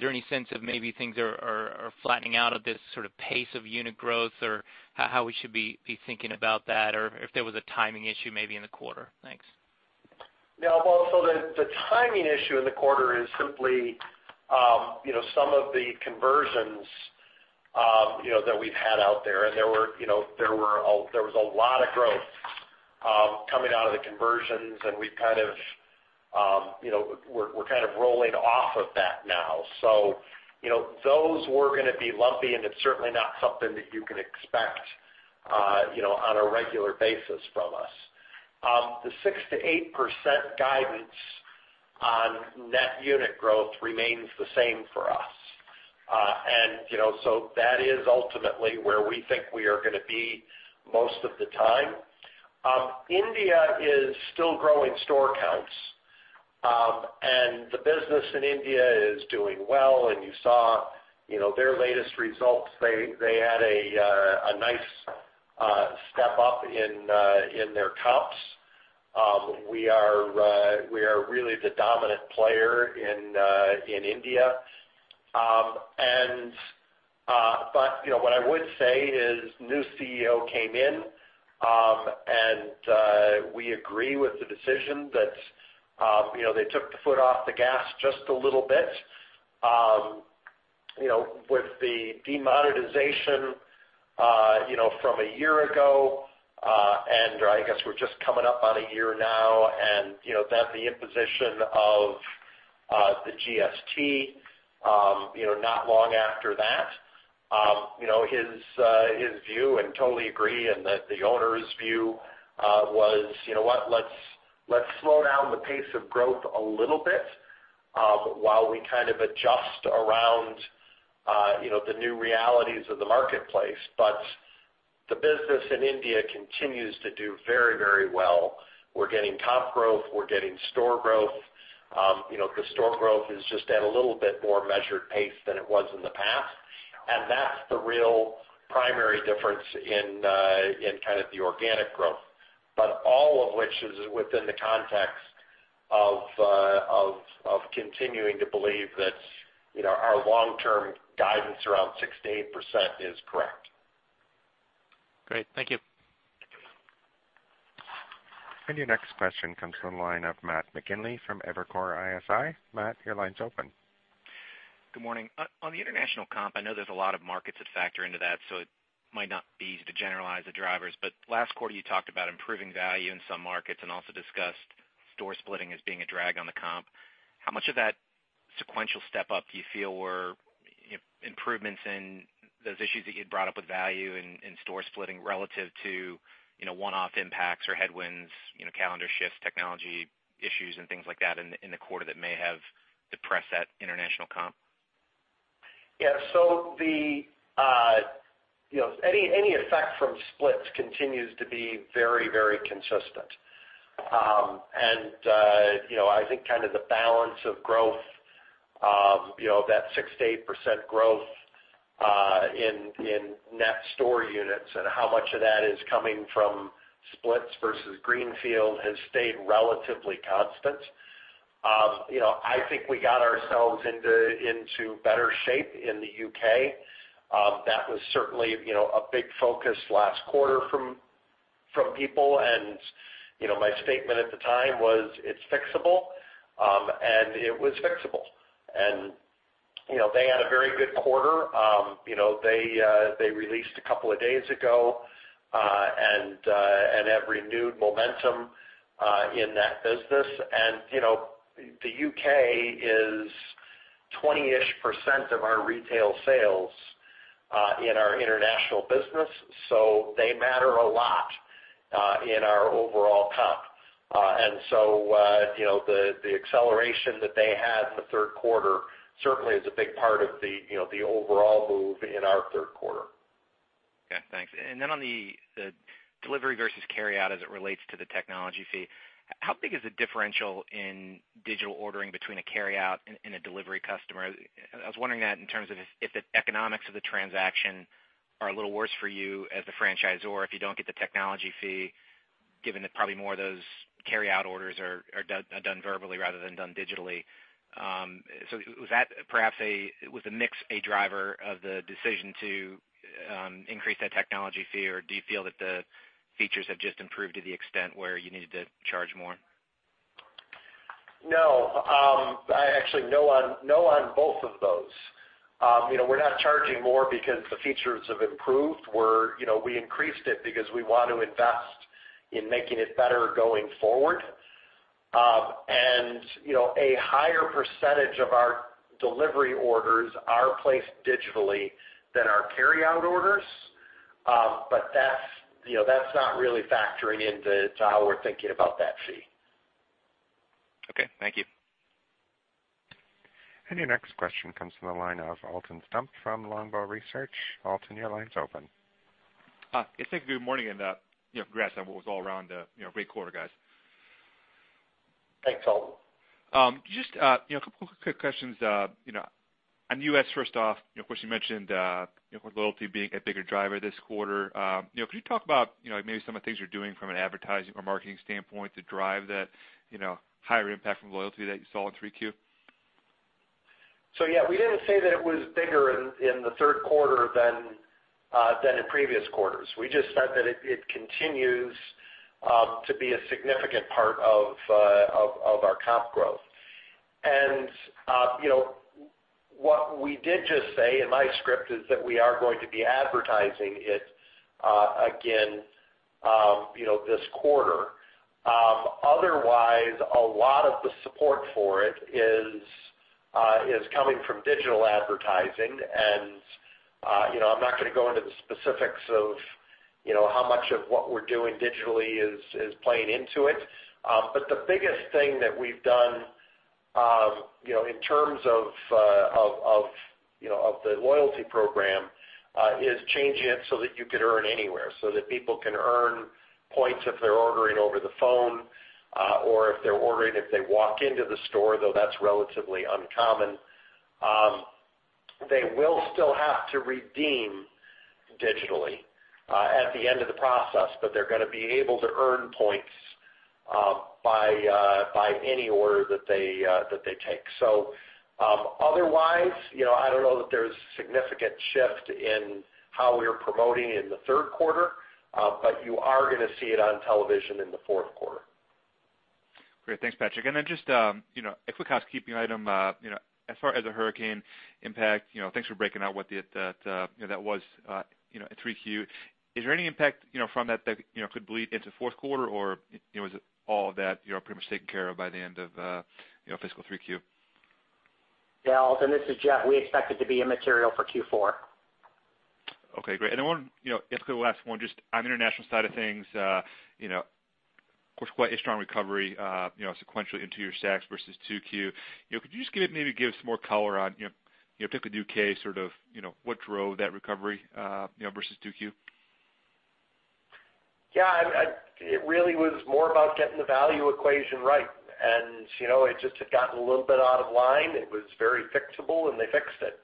there any sense of maybe things are flattening out of this pace of unit growth, or how we should be thinking about that, or if there was a timing issue maybe in the quarter? Thanks. Yeah. The timing issue in the quarter is simply some of the conversions that we've had out there, and there was a lot of growth coming out of the conversions, and we're rolling off of that now. Those were going to be lumpy, and it's certainly not something that you can expect on a regular basis from us. The 6%-8% guidance on net unit growth remains the same for us. That is ultimately where we think we are going to be most of the time. India is still growing store counts. The business in India is doing well, and you saw their latest results. They had a nice step up in their comps. We are really the dominant player in India. What I would say is, new CEO came in, and we agree with the decision that they took the foot off the gas just a little bit. With the demonetization from a year ago, and I guess we're just coming up on a year now, and then the imposition of the GST not long after that. His view, and totally agree, and the owner's view was, "You know what? Let's slow down the pace of growth a little bit while we kind of adjust around the new realities of the marketplace." The business in India continues to do very well. We're getting comp growth. We're getting store growth. The store growth is just at a little bit more measured pace than it was in the past. That's the real primary difference in kind of the organic growth. All of which is within the context of continuing to believe that our long-term guidance around 6%-8% is correct. Great. Thank you. Your next question comes from the line of Matthew McKinley from Evercore ISI. Matt, your line's open. Good morning. On the international comp, I know there's a lot of markets that factor into that, so it might not be easy to generalize the drivers. Last quarter, you talked about improving value in some markets and also discussed store splitting as being a drag on the comp. How much of that sequential step up do you feel were improvements in those issues that you had brought up with value and store splitting relative to one-off impacts or headwinds, calendar shifts, technology issues, and things like that in the quarter that may have depressed that international comp? Yeah. Any effect from splits continues to be very consistent. I think kind of the balance of growth, that 6%-8% growth in net store units and how much of that is coming from splits versus greenfield has stayed relatively constant. I think we got ourselves into better shape in the U.K. That was certainly a big focus last quarter from people, and my statement at the time was, "It's fixable," and it was fixable. They had a very good quarter. They released a couple of days ago and have renewed momentum in that business. The U.K. is 20-ish% of our retail sales in our international business, so they matter a lot in our overall comp. The acceleration that they had in the third quarter certainly is a big part of the overall move in our third quarter. Okay, thanks. On the delivery versus carryout as it relates to the technology fee, how big is the differential in digital ordering between a carryout and a delivery customer? I was wondering that in terms of if the economics of the transaction are a little worse for you as the franchisor if you don't get the technology fee, given that probably more of those carryout orders are done verbally rather than done digitally. Was the mix a driver of the decision to increase that technology fee, or do you feel that the features have just improved to the extent where you needed to charge more? No. Actually, no on both of those. We're not charging more because the features have improved. We increased it because we want to invest in making it better going forward. A higher % of our delivery orders are placed digitally than our carryout orders, but that's not really factoring into how we're thinking about that fee. Okay, thank you. Your next question comes from the line of Alton Stump from Longbow Research. Alton, your line's open. Hi. Yeah, good morning, and congrats on what was all around a great quarter, guys. Thanks, Alton. Just a couple of quick questions. On U.S., first off, of course, you mentioned loyalty being a bigger driver this quarter. Could you talk about maybe some of the things you're doing from an advertising or marketing standpoint to drive that higher impact from loyalty that you saw in 3Q? Yeah, we didn't say that it was bigger in the third quarter than in previous quarters. We just said that it continues to be a significant part of our comp growth. What we did just say in my script is that we are going to be advertising it again this quarter. Otherwise, a lot of the support for it is coming from digital advertising, and I'm not going to go into the specifics of how much of what we're doing digitally is playing into it. The biggest thing that we've done in terms of the loyalty program is changing it so that you could earn anywhere, so that people can earn points if they're ordering over the phone or if they're ordering if they walk into the store, though that's relatively uncommon. They will still have to redeem digitally at the end of the process, they're going to be able to earn points by any order that they take. Otherwise, I don't know that there's a significant shift in how we are promoting in the third quarter, you are going to see it on television in the fourth quarter. Great. Thanks, Patrick. Then just a quick housekeeping item. As far as the hurricane impact, thanks for breaking out what that was at 3Q. Is there any impact from that could bleed into fourth quarter, or was all that pretty much taken care of by the end of fiscal 3Q? Yeah, Alton, this is Jeff. We expect it to be immaterial for Q4. Okay, great. Just going to ask one, just on the international side of things, of course, quite a strong recovery, sequentially, in two-year stacks versus 2Q. Could you just maybe give some more color on, particularly U.K., sort of what drove that recovery, versus 2Q? Yeah. It really was more about getting the value equation right, it just had gotten a little bit out of line. It was very fixable, they fixed it.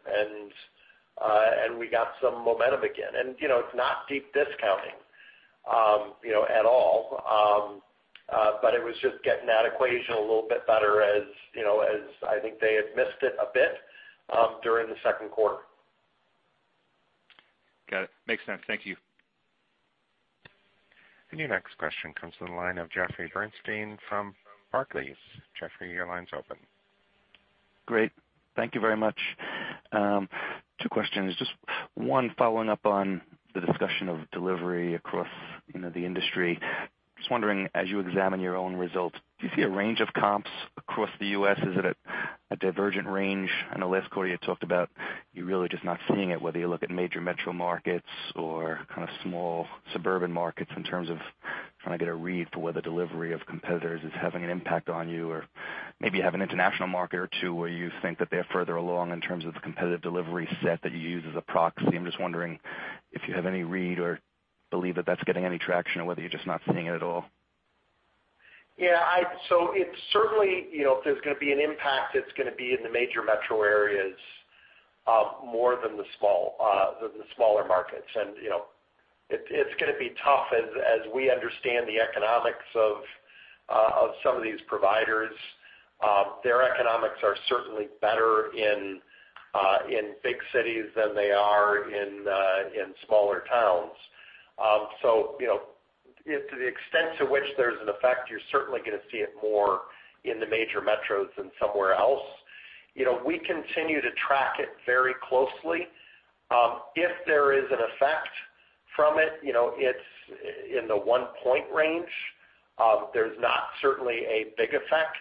We got some momentum again. It's not deep discounting at all. It was just getting that equation a little bit better as I think they had missed it a bit during the second quarter. Got it. Makes sense. Thank you. Your next question comes from the line of Jeffrey Bernstein from Barclays. Jeffrey, your line's open. Great. Thank you very much. Two questions. Just one following up on the discussion of delivery across the industry. Just wondering, as you examine your own results, do you see a range of comps across the U.S.? Is it a divergent range? I know last quarter you had talked about you really just not seeing it, whether you look at major metro markets or kind of small suburban markets in terms of trying to get a read for whether delivery of competitors is having an impact on you. Maybe you have an international market or two where you think that they're further along in terms of the competitive delivery set that you use as a proxy. I'm just wondering if you have any read or believe that that's getting any traction, or whether you're just not seeing it at all. It's certainly, if there's going to be an impact, it's going to be in the major metro areas more than the smaller markets. It's going to be tough as we understand the economics of some of these providers. Their economics are certainly better in big cities than they are in smaller towns. To the extent to which there's an effect, you're certainly going to see it more in the major metros than somewhere else. We continue to track it very closely. If there is an effect from it's in the one-point range. There's not certainly a big effect.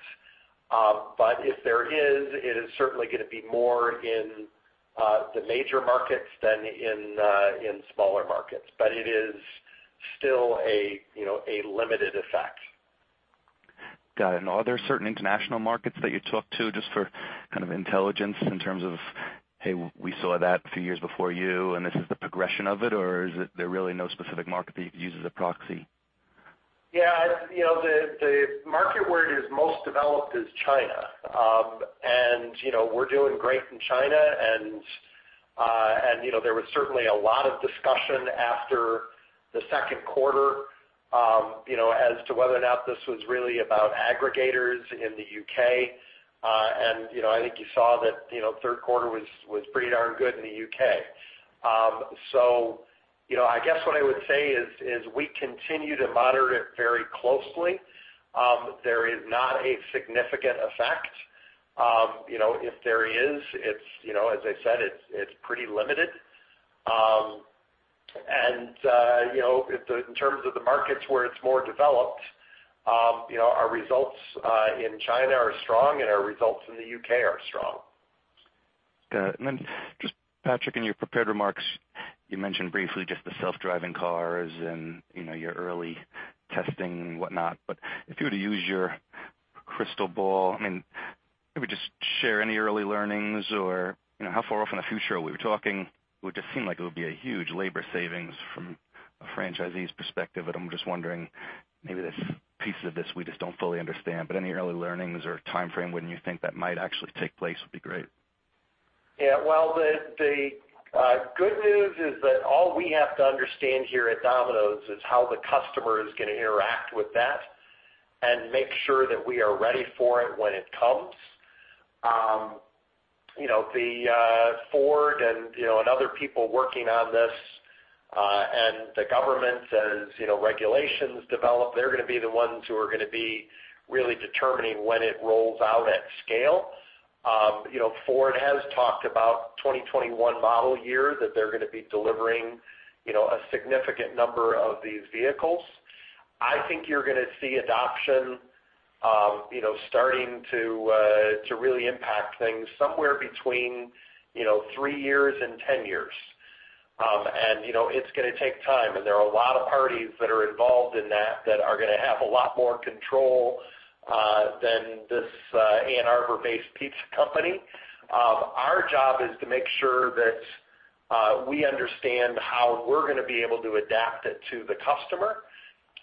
If there is, it is certainly going to be more in the major markets than in smaller markets. It is still a limited effect. Got it. Are there certain international markets that you talk to just for kind of intelligence in terms of, we saw that a few years before you, and this is the progression of it, or is it there really no specific market that you'd use as a proxy? The market where it is most developed is China. We're doing great in China and there was certainly a lot of discussion after the second quarter, as to whether or not this was really about aggregators in the U.K. I think you saw that third quarter was pretty darn good in the U.K. I guess what I would say is we continue to monitor it very closely. There is not a significant effect. If there is, as I said, it's pretty limited. In terms of the markets where it's more developed, our results in China are strong, and our results in the U.K. are strong. Got it. Patrick, in your prepared remarks, you mentioned briefly just the self-driving cars and your early testing and whatnot. If you were to use your crystal ball, I mean, maybe just share any early learnings or how far off in the future are we talking? It would just seem like it would be a huge labor savings from a franchisee's perspective, and I'm just wondering, maybe there's pieces of this we just don't fully understand. Any early learnings or timeframe when you think that might actually take place would be great. Well, the good news is that all we have to understand here at Domino's is how the customer is going to interact with that and make sure that we are ready for it when it comes. Ford and other people working on this, and the government, as regulations develop, they're going to be the ones who are going to be really determining when it rolls out at scale. Ford has talked about 2021 model year that they're going to be delivering a significant number of these vehicles. I think you're going to see adoption starting to really impact things somewhere between three years and 10 years. It's going to take time, and there are a lot of parties that are involved in that are going to have a lot more control than this Ann Arbor-based pizza company. Our job is to make sure that we understand how we're going to be able to adapt it to the customer,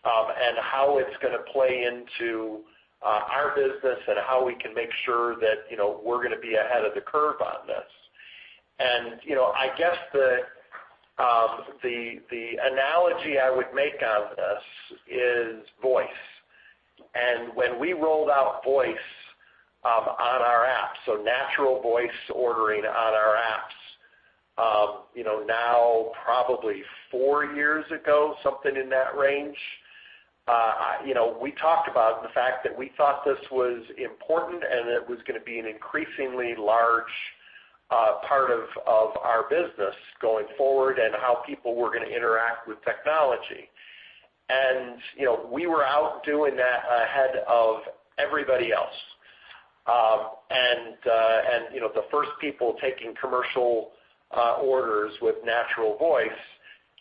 and how it's going to play into our business, and how we can make sure that we're going to be ahead of the curve on this. I guess the analogy I would make on this is voice. When we rolled out voice on our app, so natural voice ordering on our apps now probably four years ago, something in that range. We talked about the fact that we thought this was important, and it was going to be an increasingly large part of our business going forward and how people were going to interact with technology. We were out doing that ahead of everybody else. The first people taking commercial orders with natural voice,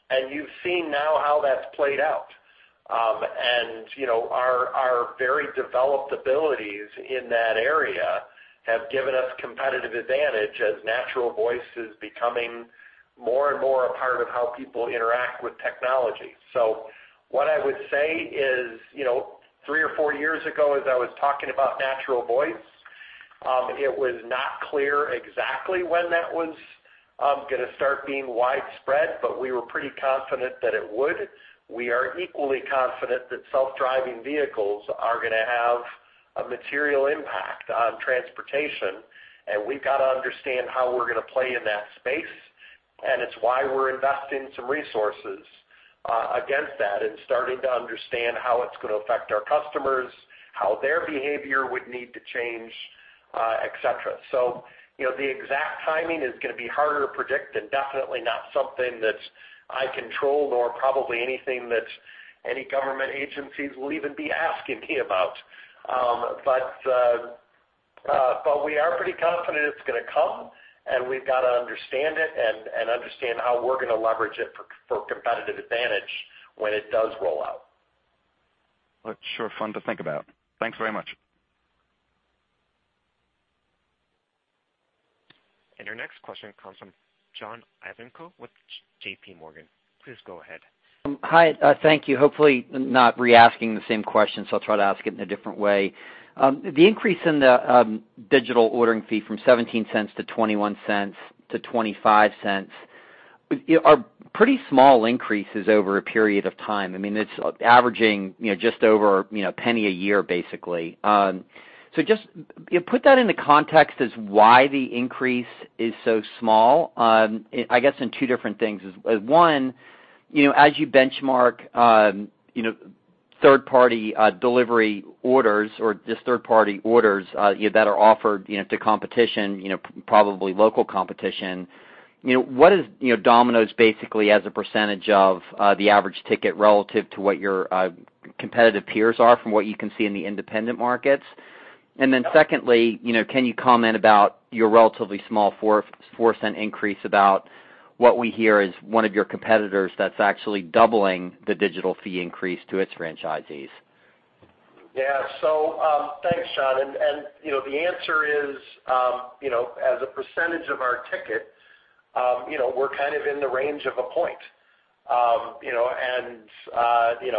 and you've seen now how that's played out. Our very developed abilities in that area have given us competitive advantage as natural voice is becoming more and more a part of how people interact with technology. What I would say is, three or four years ago, as I was talking about natural voice, it was not clear exactly when that was going to start being widespread. We were pretty confident that it would. We are equally confident that self-driving vehicles are going to have a material impact on transportation, and we've got to understand how we're going to play in that space. It's why we're investing some resources against that and starting to understand how it's going to affect our customers, how their behavior would need to change, et cetera. The exact timing is going to be harder to predict and definitely not something that's I control or probably anything that any government agencies will even be asking me about. We are pretty confident it's going to come, and we've got to understand it and understand how we're going to leverage it for competitive advantage when it does roll out. It's sure fun to think about. Thanks very much. Our next question comes from John Ivankoe with J.P. Morgan. Please go ahead. Hi. Thank you. Hopefully not re-asking the same question, I'll try to ask it in a different way. The increase in the digital ordering fee from $0.17 to $0.21 to $0.25 are pretty small increases over a period of time. It's averaging just over $0.01 a year, basically. Just put that into context as why the increase is so small. I guess in two different things. One, as you benchmark third-party delivery orders or just third-party orders that are offered to competition, probably local competition. What is Domino's basically as a percentage of the average ticket relative to what your competitive peers are from what you can see in the independent markets? Then secondly, can you comment about your relatively small $0.04 increase about what we hear is one of your competitors that's actually doubling the digital fee increase to its franchisees? Yeah. Thanks, John. The answer is, as a percentage of our ticket, we're kind of in the range of a point.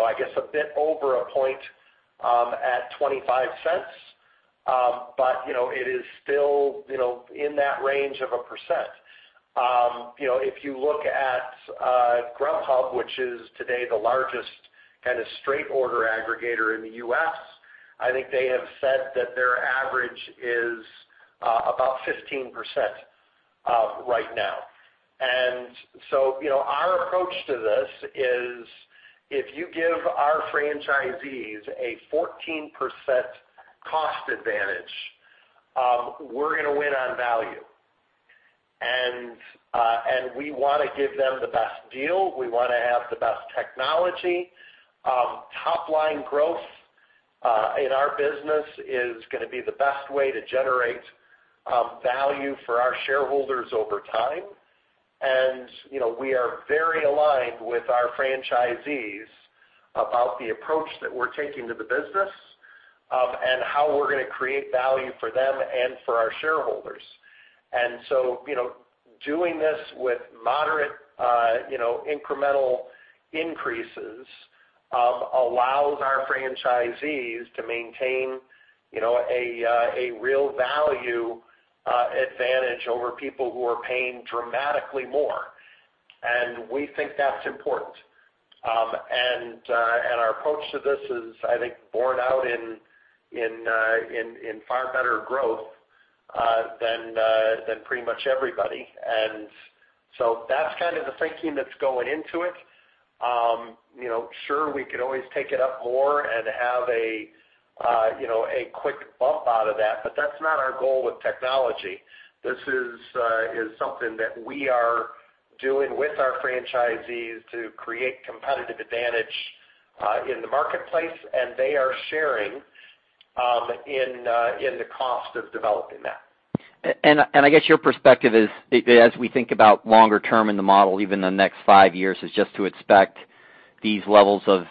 I guess a bit over a point at $0.25. It is still in that range of 1%. If you look at Grubhub, which is today the largest kind of straight order aggregator in the U.S., I think they have said that their average is about 15% right now. Our approach to this is if you give our franchisees a 14% cost advantage, we're going to win on value. We want to give them the best deal. We want to have the best technology. Top-line growth in our business is going to be the best way to generate value for our shareholders over time. We are very aligned with our franchisees about the approach that we're taking to the business, and how we're going to create value for them and for our shareholders. Doing this with moderate incremental increases allows our franchisees to maintain a real value advantage over people who are paying dramatically more. We think that's important. Our approach to this is, I think, borne out in far better growth than pretty much everybody. That's kind of the thinking that's going into it. Sure, we could always take it up more and have a quick bump out of that, but that's not our goal with technology. This is something that we are doing with our franchisees to create competitive advantage in the marketplace, and they are sharing in the cost of developing that. I guess your perspective is, as we think about longer term in the model, even the next five years, is just to expect These levels of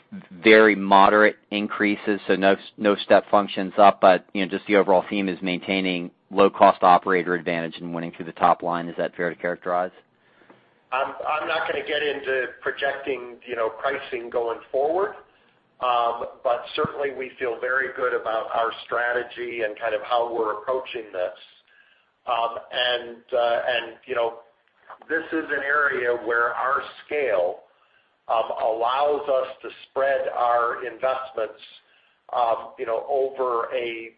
very moderate increases, no step functions up, just the overall theme is maintaining low-cost operator advantage and winning through the top line. Is that fair to characterize? I'm not going to get into projecting pricing going forward. Certainly, we feel very good about our strategy and how we're approaching this. This is an area where our scale allows us to spread our investments over a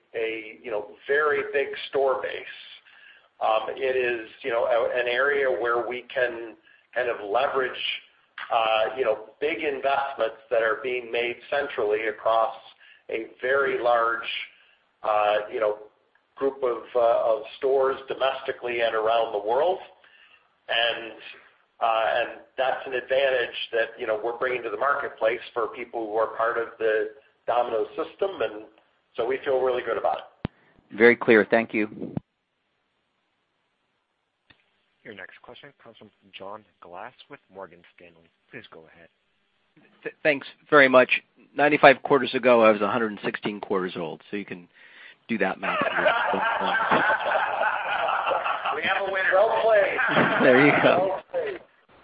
very big store base. It is an area where we can leverage big investments that are being made centrally across a very large group of stores domestically and around the world. That's an advantage that we're bringing to the marketplace for people who are part of the Domino's system. We feel really good about it. Very clear. Thank you. Your next question comes from John Glass with Morgan Stanley. Please go ahead. Thanks very much. 95 quarters ago, I was 116 quarters old, so you can do that math. We have a winner. Well played. There you go.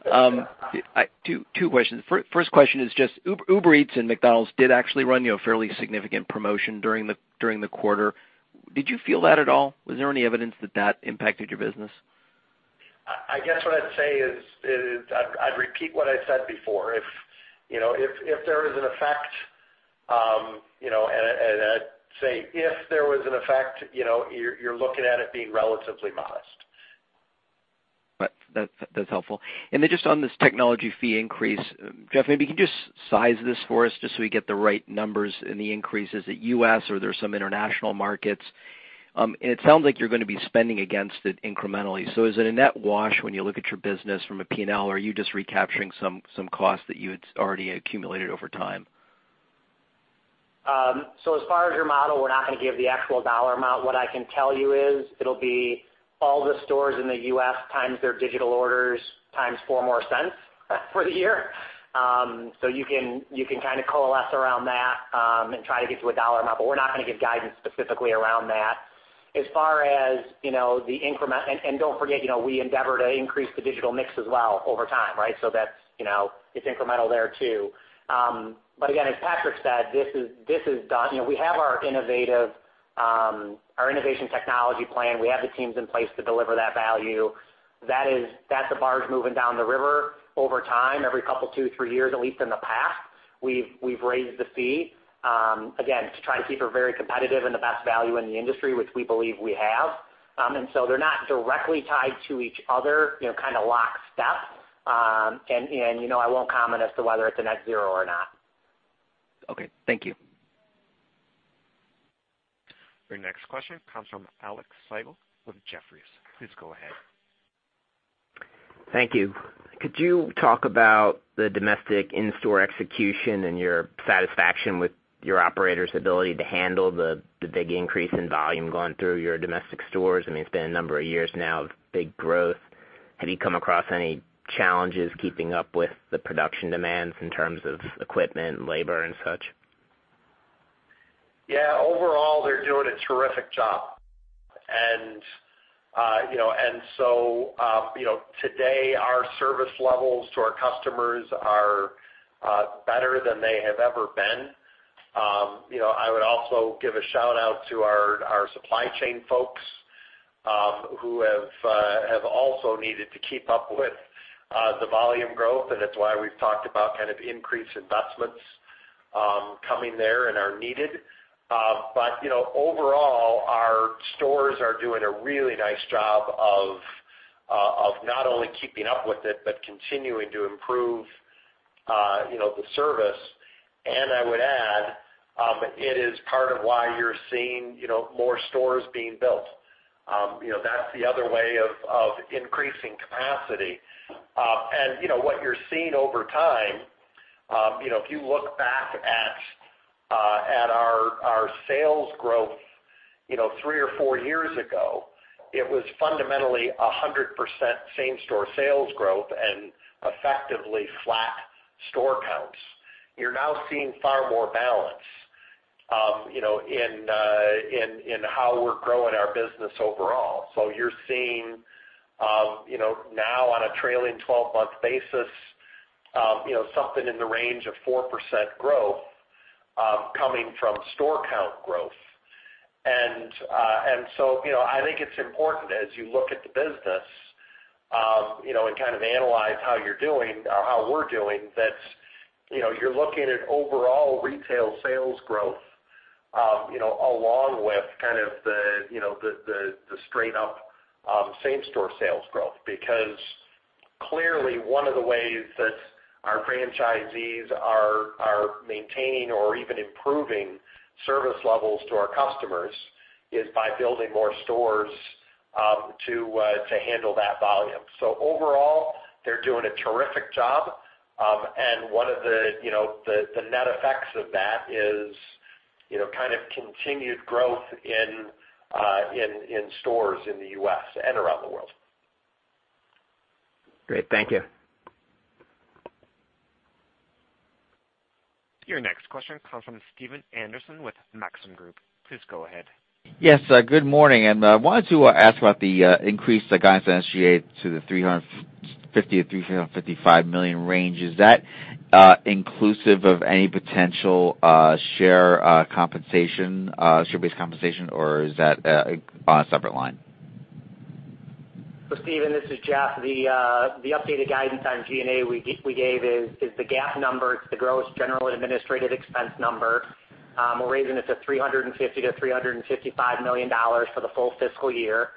Well played. Two questions. First question is just Uber Eats and McDonald's did actually run a fairly significant promotion during the quarter. Did you feel that at all? Was there any evidence that that impacted your business? I guess what I'd say is, I'd repeat what I said before. If there is an effect, you're looking at it being relatively modest. That's helpful. Then just on this technology fee increase, Jeff, maybe can you just size this for us just so we get the right numbers and the increases at U.S. or there's some international markets. It sounds like you're going to be spending against it incrementally. Is it a net wash when you look at your business from a P&L, or are you just recapturing some costs that you had already accumulated over time? As far as your model, we're not going to give the actual dollar amount. What I can tell you is it'll be all the stores in the U.S. times their digital orders times $0.04 for the year. You can coalesce around that, and try to get to a dollar amount. We're not going to give guidance specifically around that. Don't forget, we endeavor to increase the digital mix as well over time. It's incremental there too. Again, as Patrick said, we have our innovation technology plan. We have the teams in place to deliver that value. That's a barge moving down the river over time, every couple, two, three years, at least in the past. We've raised the fee, again, to try to keep it very competitive and the best value in the industry, which we believe we have. They're not directly tied to each other, kind of lock step. I won't comment as to whether it's a net zero or not. Okay. Thank you. Your next question comes from Alexander Slagle with Jefferies. Please go ahead. Thank you. Could you talk about the domestic in-store execution and your satisfaction with your operators' ability to handle the big increase in volume going through your domestic stores? It's been a number of years now of big growth. Have you come across any challenges keeping up with the production demands in terms of equipment, labor, and such? Overall, they're doing a terrific job. Today, our service levels to our customers are better than they have ever been. I would also give a shout-out to our supply chain folks, who have also needed to keep up with the volume growth, and it's why we've talked about increased investments coming there and are needed. Overall, our stores are doing a really nice job of not only keeping up with it, but continuing to improve the service. I would add, it is part of why you're seeing more stores being built. That's the other way of increasing capacity. What you're seeing over time, if you look back at our sales growth three or four years ago, it was fundamentally 100% same-store sales growth and effectively flat store counts. You're now seeing far more balance in how we're growing our business overall. You're seeing now on a trailing 12-month basis something in the range of 4% growth coming from store count growth. I think it's important as you look at the business, and kind of analyze how we're doing, that you're looking at overall retail sales growth, along with the straight up same-store sales growth. Because clearly, one of the ways that our franchisees are maintaining or even improving service levels to our customers is by building more stores to handle that volume. Overall, they're doing a terrific job. One of the net effects of that is continued growth in stores in the U.S. and around the world. Great. Thank you. Your next question comes from Stephen Anderson with Maxim Group. Please go ahead. Yes, good morning. I wanted to ask about the increase, the guidance on SG&A to the $350 million-$355 million range. Is that inclusive of any potential share-based compensation, or is that on a separate line? Stephen, this is Jeff. The updated guidance on G&A we gave is the GAAP number. It's the gross general administrative expense number. We're raising it to $350 million-$355 million for the full fiscal year.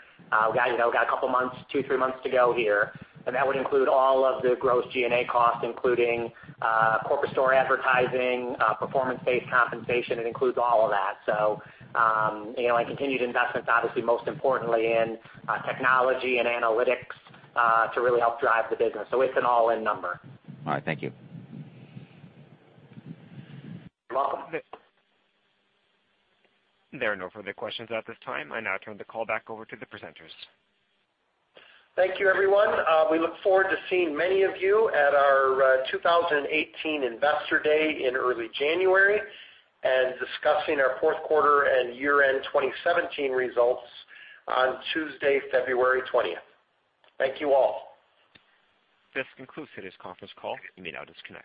We got a couple months, two, three months to go here, and that would include all of the gross G&A costs, including corporate store advertising, performance-based compensation. It includes all of that. Continued investments, obviously, most importantly in technology and analytics, to really help drive the business. It's an all-in number. All right. Thank you. You're welcome. There are no further questions at this time. I now turn the call back over to the presenters. Thank you, everyone. We look forward to seeing many of you at our 2018 Investor Day in early January and discussing our fourth quarter and year-end 2017 results on Tuesday, February 20th. Thank you all. This concludes today's conference call. You may now disconnect.